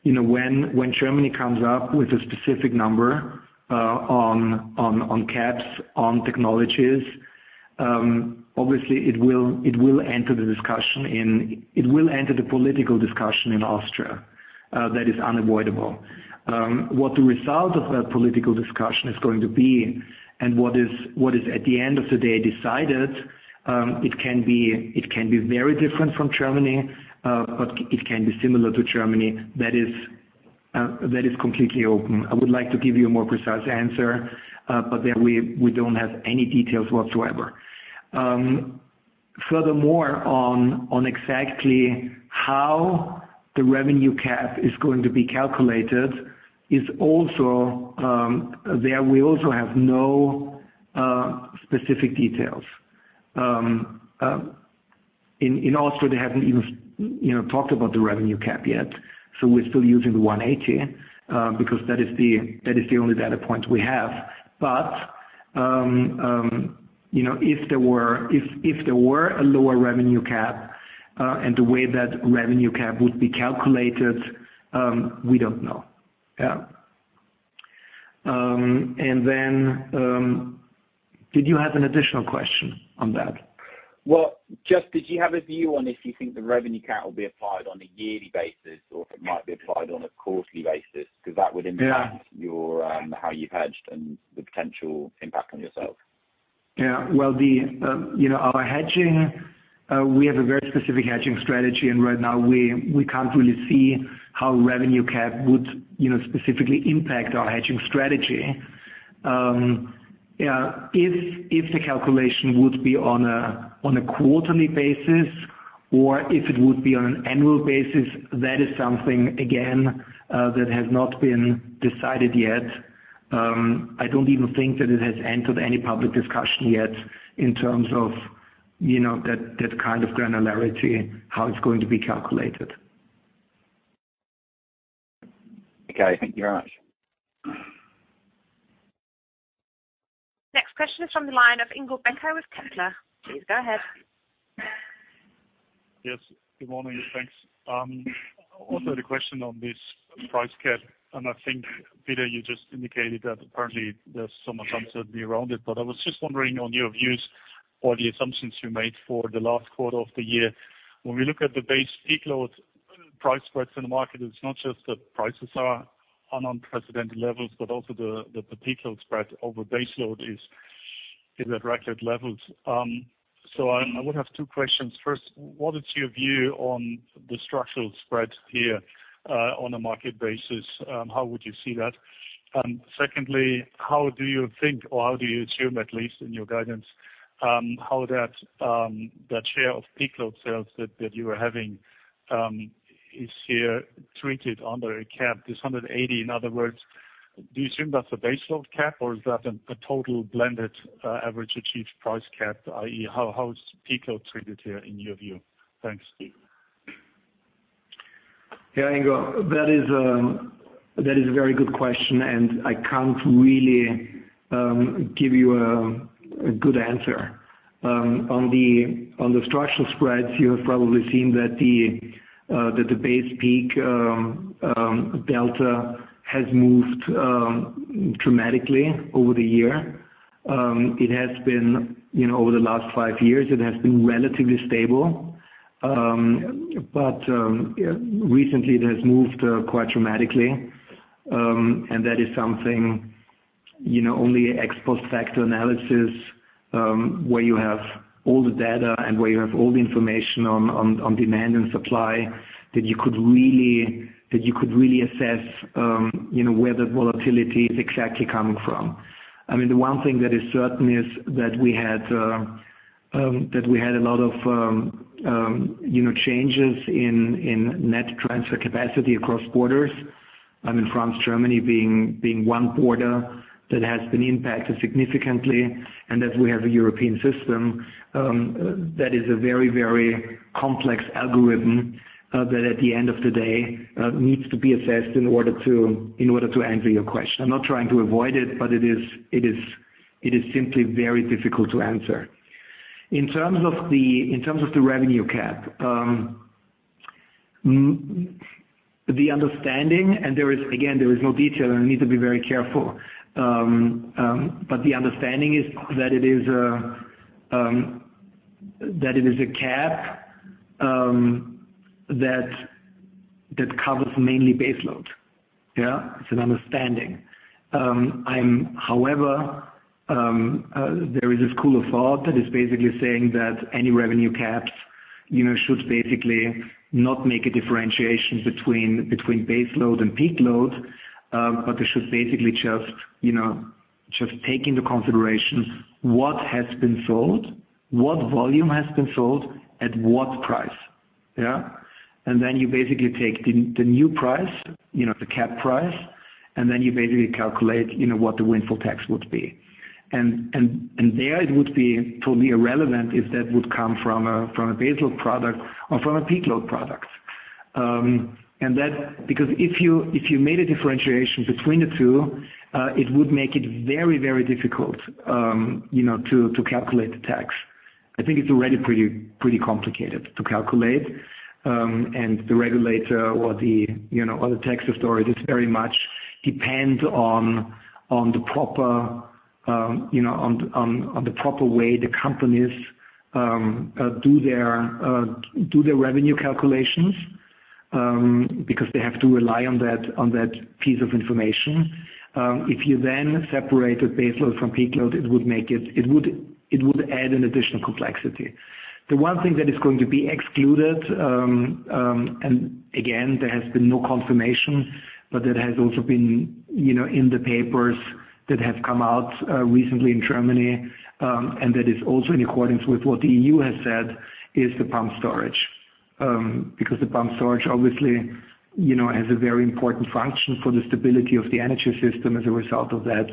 you know, when Germany comes up with a specific number on caps on technologies, obviously it will enter the political discussion in Austria. That is unavoidable. What the result of that political discussion is going to be and what is at the end of the day decided, it can be very different from Germany, but it can be similar to Germany. That is completely open. I would like to give you a more precise answer, but there we don't have any details whatsoever. Furthermore, on exactly how the revenue cap is going to be calculated, we also have no specific details. In Austria, they haven't even, you know, talked about the revenue cap yet, so we're still using 180 because that is the only data point we have. You know, if there were a lower revenue cap and the way that revenue cap would be calculated, we don't know. Yeah. Did you have an additional question on that? Well, just did you have a view on if you think the revenue cap will be applied on a yearly basis or if it might be applied on a quarterly basis? Because that would impact- Yeah. your, how you've hedged and the potential impact on yourself. Yeah. Well, you know, our hedging, we have a very specific hedging strategy, and right now we can't really see how revenue cap would, you know, specifically impact our hedging strategy. Yeah, if the calculation would be on a quarterly basis or if it would be on an annual basis, that is something, again, that has not been decided yet. I don't even think that it has entered any public discussion yet in terms of, you know, that kind of granularity, how it's going to be calculated. Okay. Thank you very much. Next question is from the line of Ingo Becker with Kepler. Please go ahead. Yes. Good morning, thanks. Also the question on this price cap, and I think, Peter, you just indicated that apparently there's some uncertainty around it. I was just wondering on your views or the assumptions you made for the last quarter of the year. When we look at the base peak load price spreads in the market, it's not just that prices are on unprecedented levels, but also the peak load spread over base load is at record levels. I would have two questions. First, what is your view on the structural spread here, on a market basis? How would you see that? Secondly, how do you think, or how do you assume, at least in your guidance, how that share of peak load sales that you are having is here treated under a cap, this 180? In other words, do you assume that's a base load cap or is that a total blended average achieved price cap, i.e., how is peak load treated here in your view? Thanks, Steve. Yeah, Ingo, that is a very good question, and I can't really give you a good answer. On the structural spreads, you have probably seen that the base peak delta has moved dramatically over the year. It has been, you know, over the last five years, it has been relatively stable. Recently it has moved quite dramatically. That is something, you know, only ex post facto analysis where you have all the data and where you have all the information on demand and supply that you could really assess, you know, where the volatility is exactly coming from. I mean, the one thing that is certain is that we had a lot of, you know, changes in net transfer capacity across borders, and France, Germany being one border that has been impacted significantly and that we have a European system that is a very, very complex algorithm that at the end of the day needs to be assessed in order to answer your question. I'm not trying to avoid it, but it is simply very difficult to answer. In terms of the revenue cap, the understanding and there is, again, no detail and I need to be very careful. The understanding is that it is a cap that covers mainly base load. Yeah. It's an understanding. However, there is a school of thought that is basically saying that any revenue caps, you know, should basically not make a differentiation between base load and peak load, but it should basically just, you know, just take into consideration what has been sold, what volume has been sold at what price. Yeah. Then you basically take the new price, you know, the cap price, and then you basically calculate, you know, what the windfall tax would be. There it would be totally irrelevant if that would come from a base load product or from a peak load product. Because if you made a differentiation between the two, it would make it very difficult, you know, to calculate the tax. I think it's already pretty complicated to calculate. The regulator or the tax authority does very much depend on the proper way the companies do their revenue calculations, because they have to rely on that piece of information. If you then separate the base load from peak load, it would add an additional complexity. The one thing that is going to be excluded, and again, there has been no confirmation, but that has also been, you know, in the papers that have come out, recently in Germany, and that is also in accordance with what the EU has said, is the pumped storage. Because the pumped storage obviously, you know, has a very important function for the stability of the energy system as a result of that.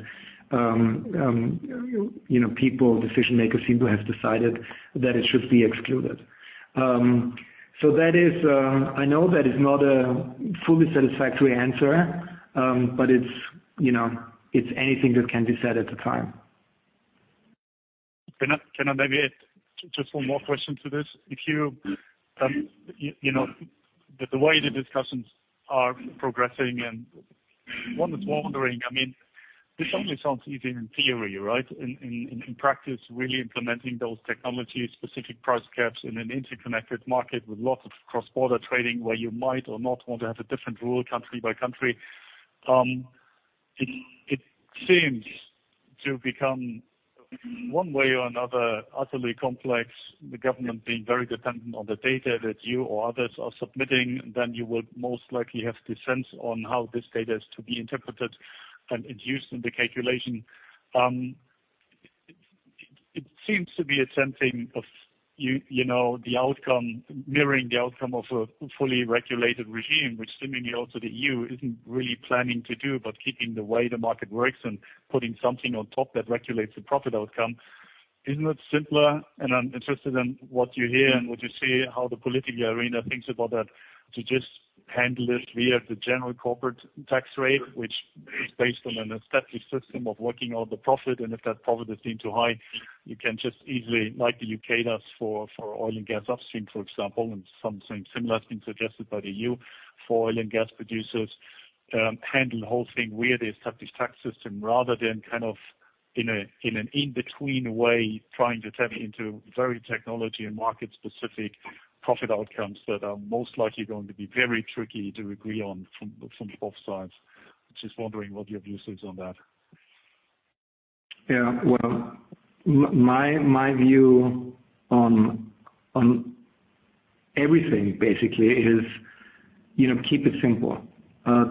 You know, people, decision-makers seem to have decided that it should be excluded. I know that is not a fully satisfactory answer, but it's, you know, it's anything that can be said at the time. Can I maybe add just one more question to this? If you know, the way the discussions are progressing and one is wondering, I mean, this only sounds easy in theory, right? In practice, really implementing those technologies, specific price caps in an interconnected market with lots of cross-border trading where you might or not want to have a different rule country by country. It seems to become one way or another utterly complex, the government being very dependent on the data that you or others are submitting, then you will most likely have the sense on how this data is to be interpreted and it's used in the calculation. It seems to be a sense in view of the outcome, mirroring the outcome of a fully regulated regime, which seemingly also the EU isn't really planning to do, but keeping the way the market works and putting something on top that regulates the profit outcome. Isn't it simpler, and I'm interested in what you hear and what you see, how the political arena thinks about that, to just handle it via the general corporate tax rate, which is based on an established system of working out the profit, and if that profit is seen too high, you can just easily, like the UK does for oil and gas upstream, for example, and something similar has been suggested by the EU for oil and gas producers, handle the whole thing via the established tax system rather than kind of in an in-between way, trying to tap into very technology and market-specific profit outcomes that are most likely going to be very tricky to agree on from both sides. Just wondering what your view is on that. Yeah. Well, my view on everything basically is, you know, keep it simple.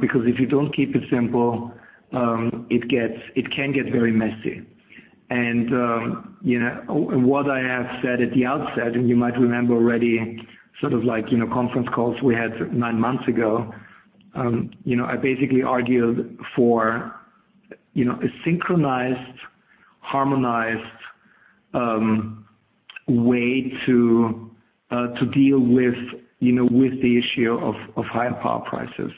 Because if you don't keep it simple, it can get very messy. You know, what I have said at the outset, and you might remember already sort of like, you know, conference calls we had nine months ago, you know, I basically argued for a synchronized, harmonized way to deal with the issue of high power prices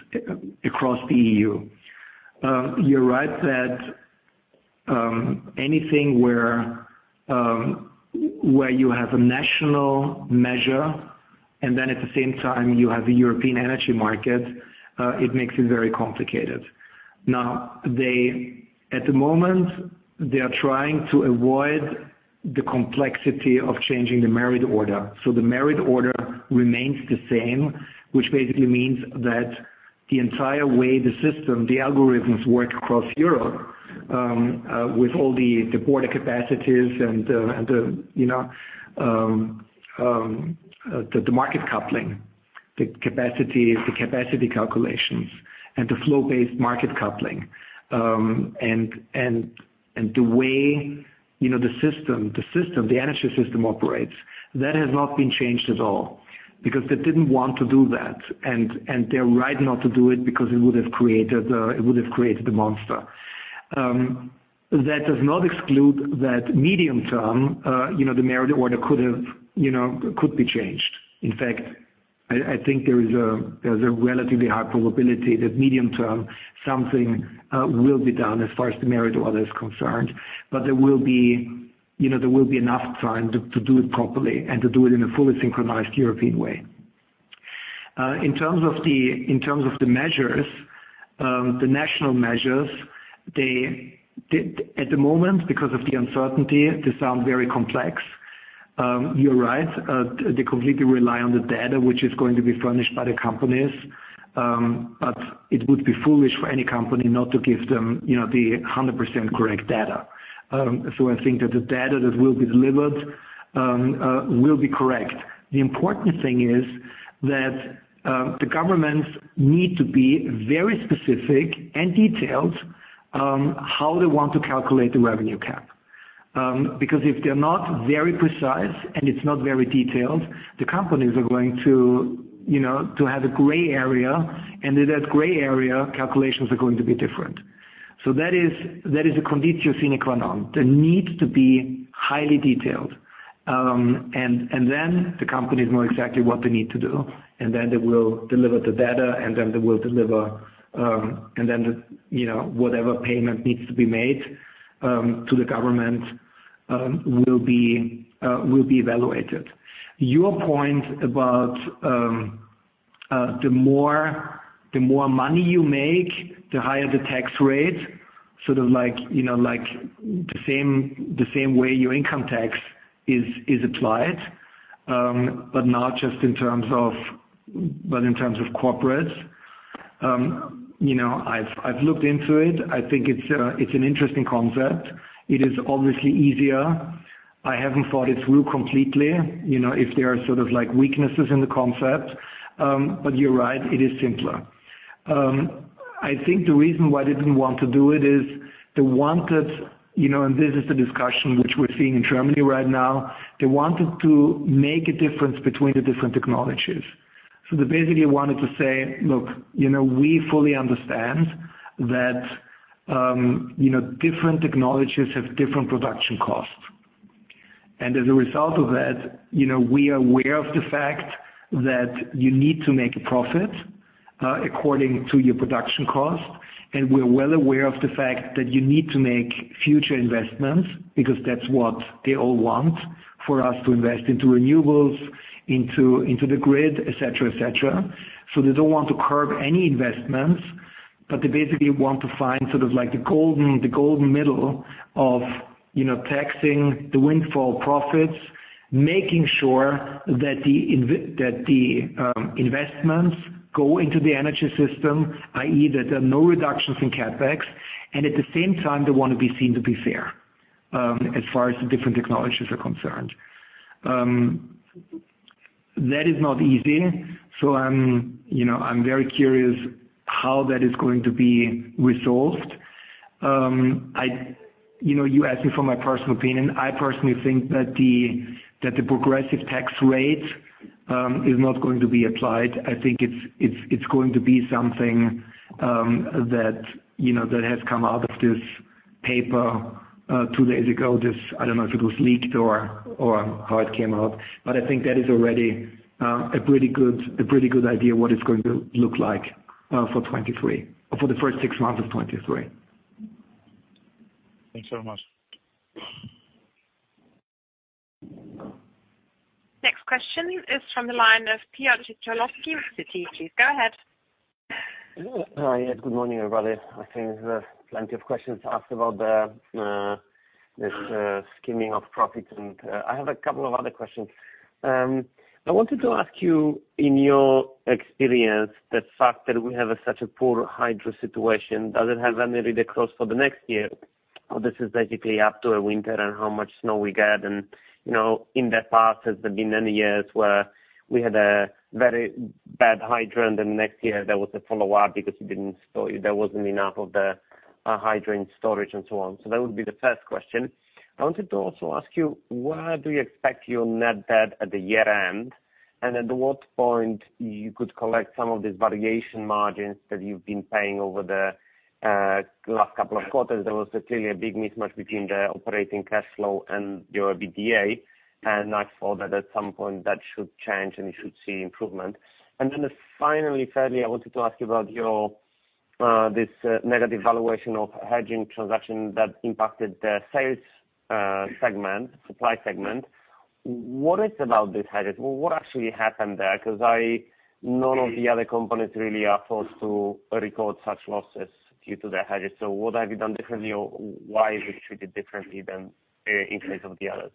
across the EU. You're right that anything where you have a national measure and then at the same time you have a European energy market, it makes it very complicated. Now, at the moment, they are trying to avoid the complexity of changing the merit order. The merit order remains the same, which basically means that the entire way the system, the algorithms work across Europe, with all the border capacities and the market coupling, the capacity calculations and the flow-based market coupling. The way, you know, the system, the energy system operates, that has not been changed at all because they didn't want to do that. They're right not to do it because it would have created a monster. That does not exclude that medium term, you know, the merit order could have, you know, could be changed. In fact, I think there's a relatively high probability that medium term something will be done as far as the merit order is concerned. There will be, you know, there will be enough time to do it properly and to do it in a fully synchronized European way. In terms of the measures, the national measures, at the moment, because of the uncertainty, they sound very complex. You're right, they completely rely on the data which is going to be furnished by the companies. I think that the data that will be delivered will be correct. The important thing is that, the governments need to be very specific and detailed, how they want to calculate the revenue cap. Because if they're not very precise and it's not very detailed, the companies are going to, you know, to have a gray area, and in that gray area, calculations are going to be different. That is a conditio sine qua non. They need to be highly detailed. Then the companies know exactly what they need to do, and then they will deliver the data, and then they will deliver, and then, you know, whatever payment needs to be made, to the government, will be evaluated. Your point about the more money you make, the higher the tax rate, sort of like, you know, like the same way your income tax is applied, but in terms of corporates. You know, I've looked into it. I think it's an interesting concept. It is obviously easier. I haven't thought it through completely, you know, if there are sort of like weaknesses in the concept. You're right, it is simpler. I think the reason why they didn't want to do it is they wanted, you know, and this is the discussion which we're seeing in Germany right now. They wanted to make a difference between the different technologies. They basically wanted to say, "Look, you know, we fully understand that, you know, different technologies have different production costs. As a result of that, you know, we are aware of the fact that you need to make a profit, according to your production cost, and we're well aware of the fact that you need to make future investments," because that's what they all want, for us to invest into renewables, into the grid, et cetera. They don't want to curb any investments, but they basically want to find sort of like the golden middle of, you know, taxing the windfall profits, making sure that the investments go into the energy system, i.e. that there are no reductions in CapEx. At the same time, they want to be seen to be fair, as far as the different technologies are concerned. That is not easy. I'm, you know, very curious how that is going to be resolved. You know, you asked me for my personal opinion. I personally think that the progressive tax rate is not going to be applied. I think it's going to be something, you know, that has come out of this paper two days ago. This I don't know if it was leaked or how it came out, but I think that is already a pretty good idea what it's going to look like, for 2023, or for the first six months of 2023. Thanks so much. Next question is from the line of Piotr Dzieciolowski with Citi. Please go ahead. Hi. Good morning, everybody. I think there's plenty of questions asked about this skimming of profits, and I have a couple of other questions. I wanted to ask you, in your experience, the fact that we have such a poor hydro situation, does it have any read-across for the next year? This is basically up to a winter and how much snow we get and, you know, in the past, has there been any years where we had a very bad hydro and the next year there was a follow-up because there wasn't enough of the hydro in storage and so on. That would be the first question. I wanted to also ask you, where do you expect your net debt at the year-end, and at what point you could collect some of these variation margins that you've been paying over the last couple of quarters? There was clearly a big mismatch between the operating cash flow and your EBITDA, and I thought that at some point that should change, and we should see improvement. Finally, thirdly, I wanted to ask you about your this negative valuation of hedging transaction that impacted the sales segment, supply segment. What is it about these hedges? What actually happened there? 'Cause none of the other components really are forced to record such losses due to the hedges. What have you done differently or why is it treated differently than in case of the others?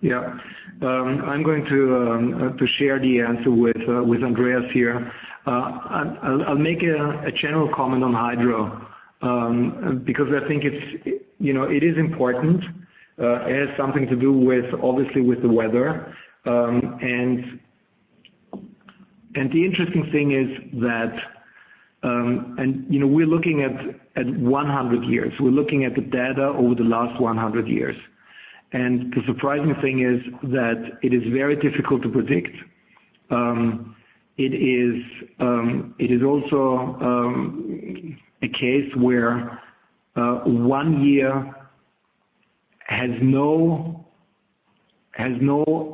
Yeah. I'm going to share the answer with Andreas here. I'll make a general comment on hydro because I think it's, you know, it is important. It has something to do with, obviously, with the weather. The interesting thing is that you know, we're looking at 100 years. We're looking at the data over the last 100 years. The surprising thing is that it is very difficult to predict. It is also a case where one year has no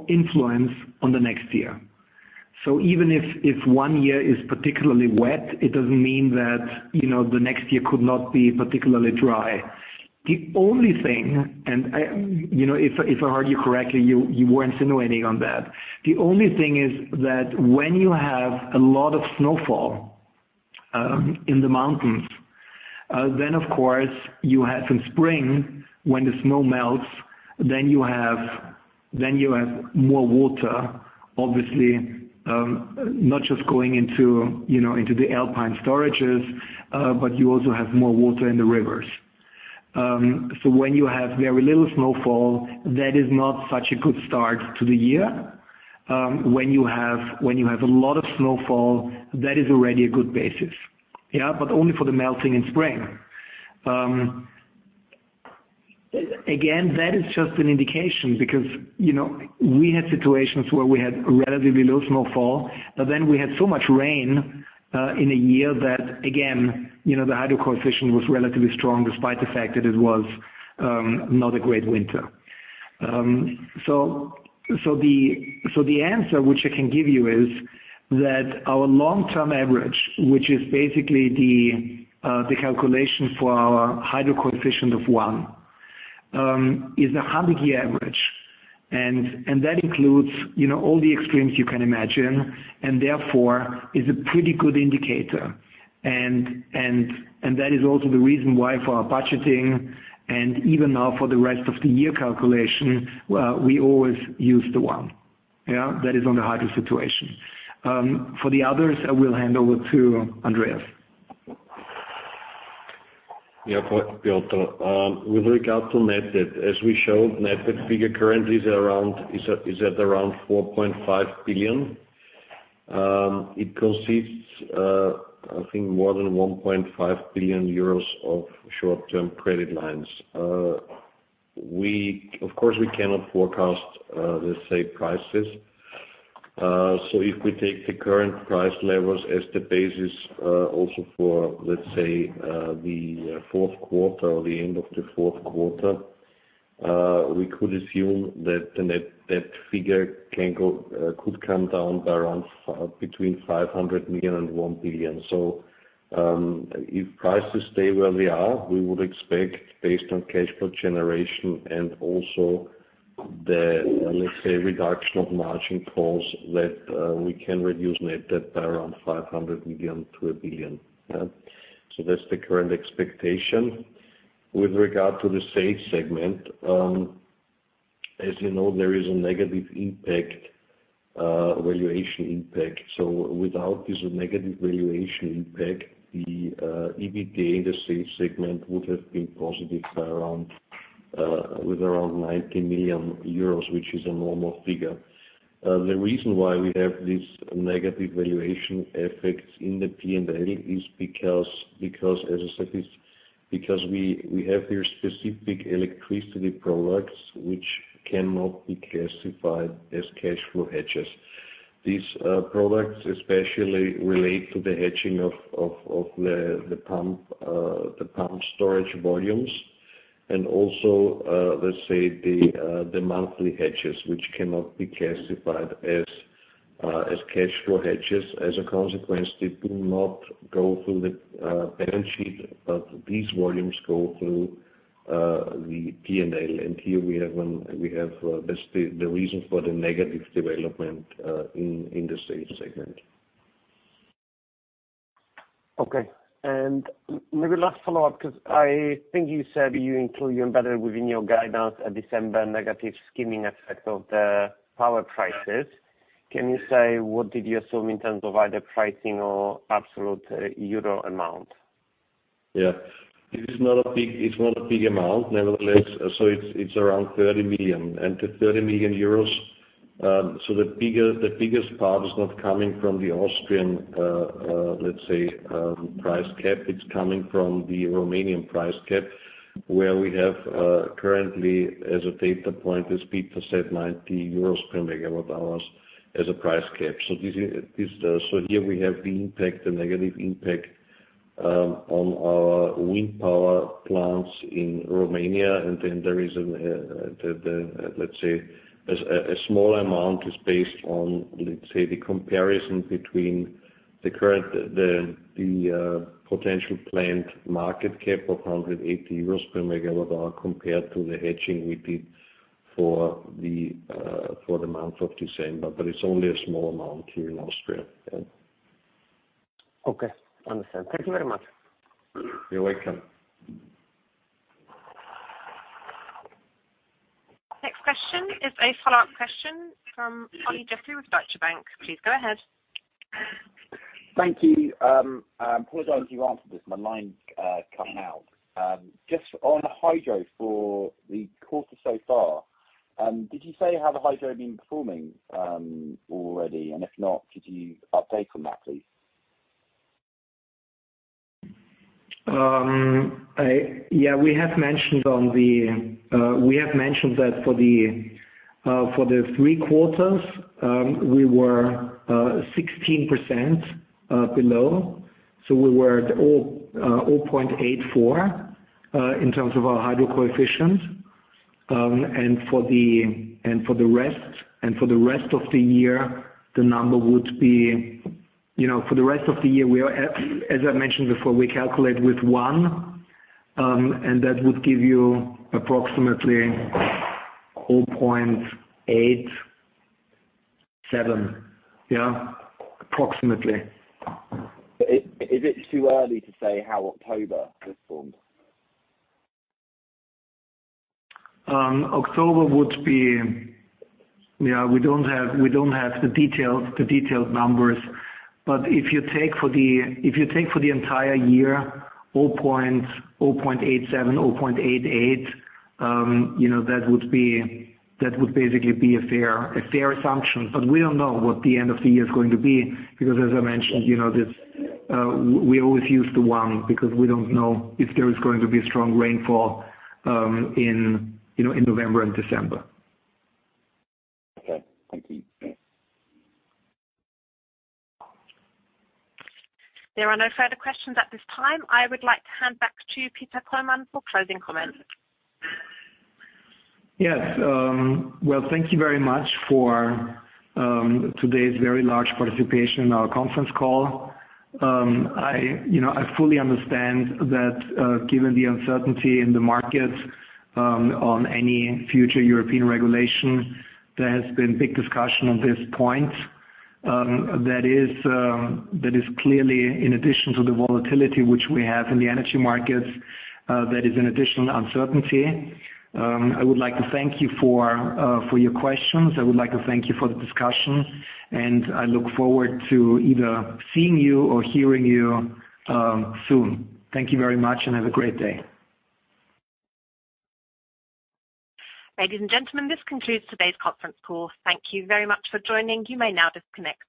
influence on the next year. Even if one year is particularly wet, it doesn't mean that, you know, the next year could not be particularly dry. The only thing, you know, if I heard you correctly, you were insinuating that. The only thing is that when you have a lot of snowfall in the mountains, then of course you have in spring when the snow melts, then you have more water, obviously, not just going into, you know, into the alpine storages, but you also have more water in the rivers. When you have very little snowfall, that is not such a good start to the year. When you have a lot of snowfall, that is already a good basis. Yeah. Only for the melting in spring. Again, that is just an indication because, you know, we had situations where we had relatively little snowfall, but then we had so much rain in a year that again, you know, the hydro coefficient was relatively strong despite the fact that it was not a great winter. The answer which I can give you is that our long-term average, which is basically the calculation for our hydro coefficient of one, is a 100-year average. That is also the reason why for our budgeting and even now for the rest of the year calculation, we always use the one. Yeah. That is on the hydro situation. For the others, I will hand over to Andreas. Yeah. Piotr, with regard to net debt, as we showed, net debt figure currently is at around 4.5 billion. It consists, I think more than 1.5 billion euros of short-term credit lines. Of course, we cannot forecast, let's say, prices. If we take the current price levels as the basis, also for, let's say, the fourth quarter or the end of the fourth quarter, we could assume that the net debt figure could come down by between 500 million and 1 billion. If prices stay where they are, we would expect based on cash flow generation and also the, let's say, reduction of margin costs that, we can reduce net debt by around 500 million to 1 billion. Yeah. That's the current expectation. With regard to the Sales segment, as you know, there is a negative impact, valuation impact. Without this negative valuation impact, the EBITDA in the Sales segment would have been positive with around 90 million euros, which is a normal figure. The reason why we have this negative valuation effects in the P&L is because, as I said, we have here specific electricity products which cannot be classified as cash flow hedges. These products especially relate to the hedging of the pumped storage volumes and also, let's say, the monthly hedges, which cannot be classified as cash flow hedges. As a consequence, they do not go through the balance sheet, but these volumes go through the P&L. That's the reason for the negative development in the Sales segment. Okay. Maybe last follow-up, 'cause I think you said you include or embedded within your guidance at December negative skimming effect of the power prices. Can you say what did you assume in terms of either pricing or absolute euro amount? It is not a big amount. Nevertheless, it's around 30 million. The 30 million euros, the biggest part is not coming from the Austrian, let's say, price cap. It's coming from the Romanian price cap, where we have currently, as a data point, let's say, 90 euros per megawatt hour as a price cap. Here we have the impact, the negative impact, on our wind power plants in Romania. Then there is the, let's say a small amount is based on, let's say, the comparison between the current, the potential planned market cap of 180 euros per megawatt hour compared to the hedging we did for the month of December. It's only a small amount here in Austria, yeah. Okay. Understood. Thank you very much. You're welcome. Next question is a follow-up question from Olly Jeffery with Deutsche Bank. Please go ahead. Thank you. Apologize if you answered this. My line's cutting out. Just on hydro for the quarter so far, did you say how the hydro had been performing, already? If not, could you update on that, please? Yeah. We have mentioned that for the three quarters, we were 16% below. We were at 0.84 in terms of our hydro coefficient. For the rest of the year, the number would be, you know, for the rest of the year, we are at, as I mentioned before, we calculate with 1, and that would give you approximately 0.87. Yeah. Approximately. Is it too early to say how October has performed? October would be. We don't have the details, the detailed numbers. If you take for the entire year, 0.87, 0.88, you know, that would basically be a fair assumption. We don't know what the end of the year is going to be because as I mentioned, you know, this, we always use the one because we don't know if there is going to be strong rainfall in, you know, November and December. Okay. Thank you. Yeah. There are no further questions at this time. I would like to hand back to Peter Kollmann for closing comments. Yes. Well, thank you very much for today's very large participation in our conference call. You know, I fully understand that, given the uncertainty in the market, on any future European regulation, there has been big discussion on this point. That is clearly in addition to the volatility which we have in the energy markets, that is an additional uncertainty. I would like to thank you for your questions. I would like to thank you for the discussion, and I look forward to either seeing you or hearing you, soon. Thank you very much, and have a great day. Ladies and gentlemen, this concludes today's conference call. Thank you very much for joining. You may now disconnect.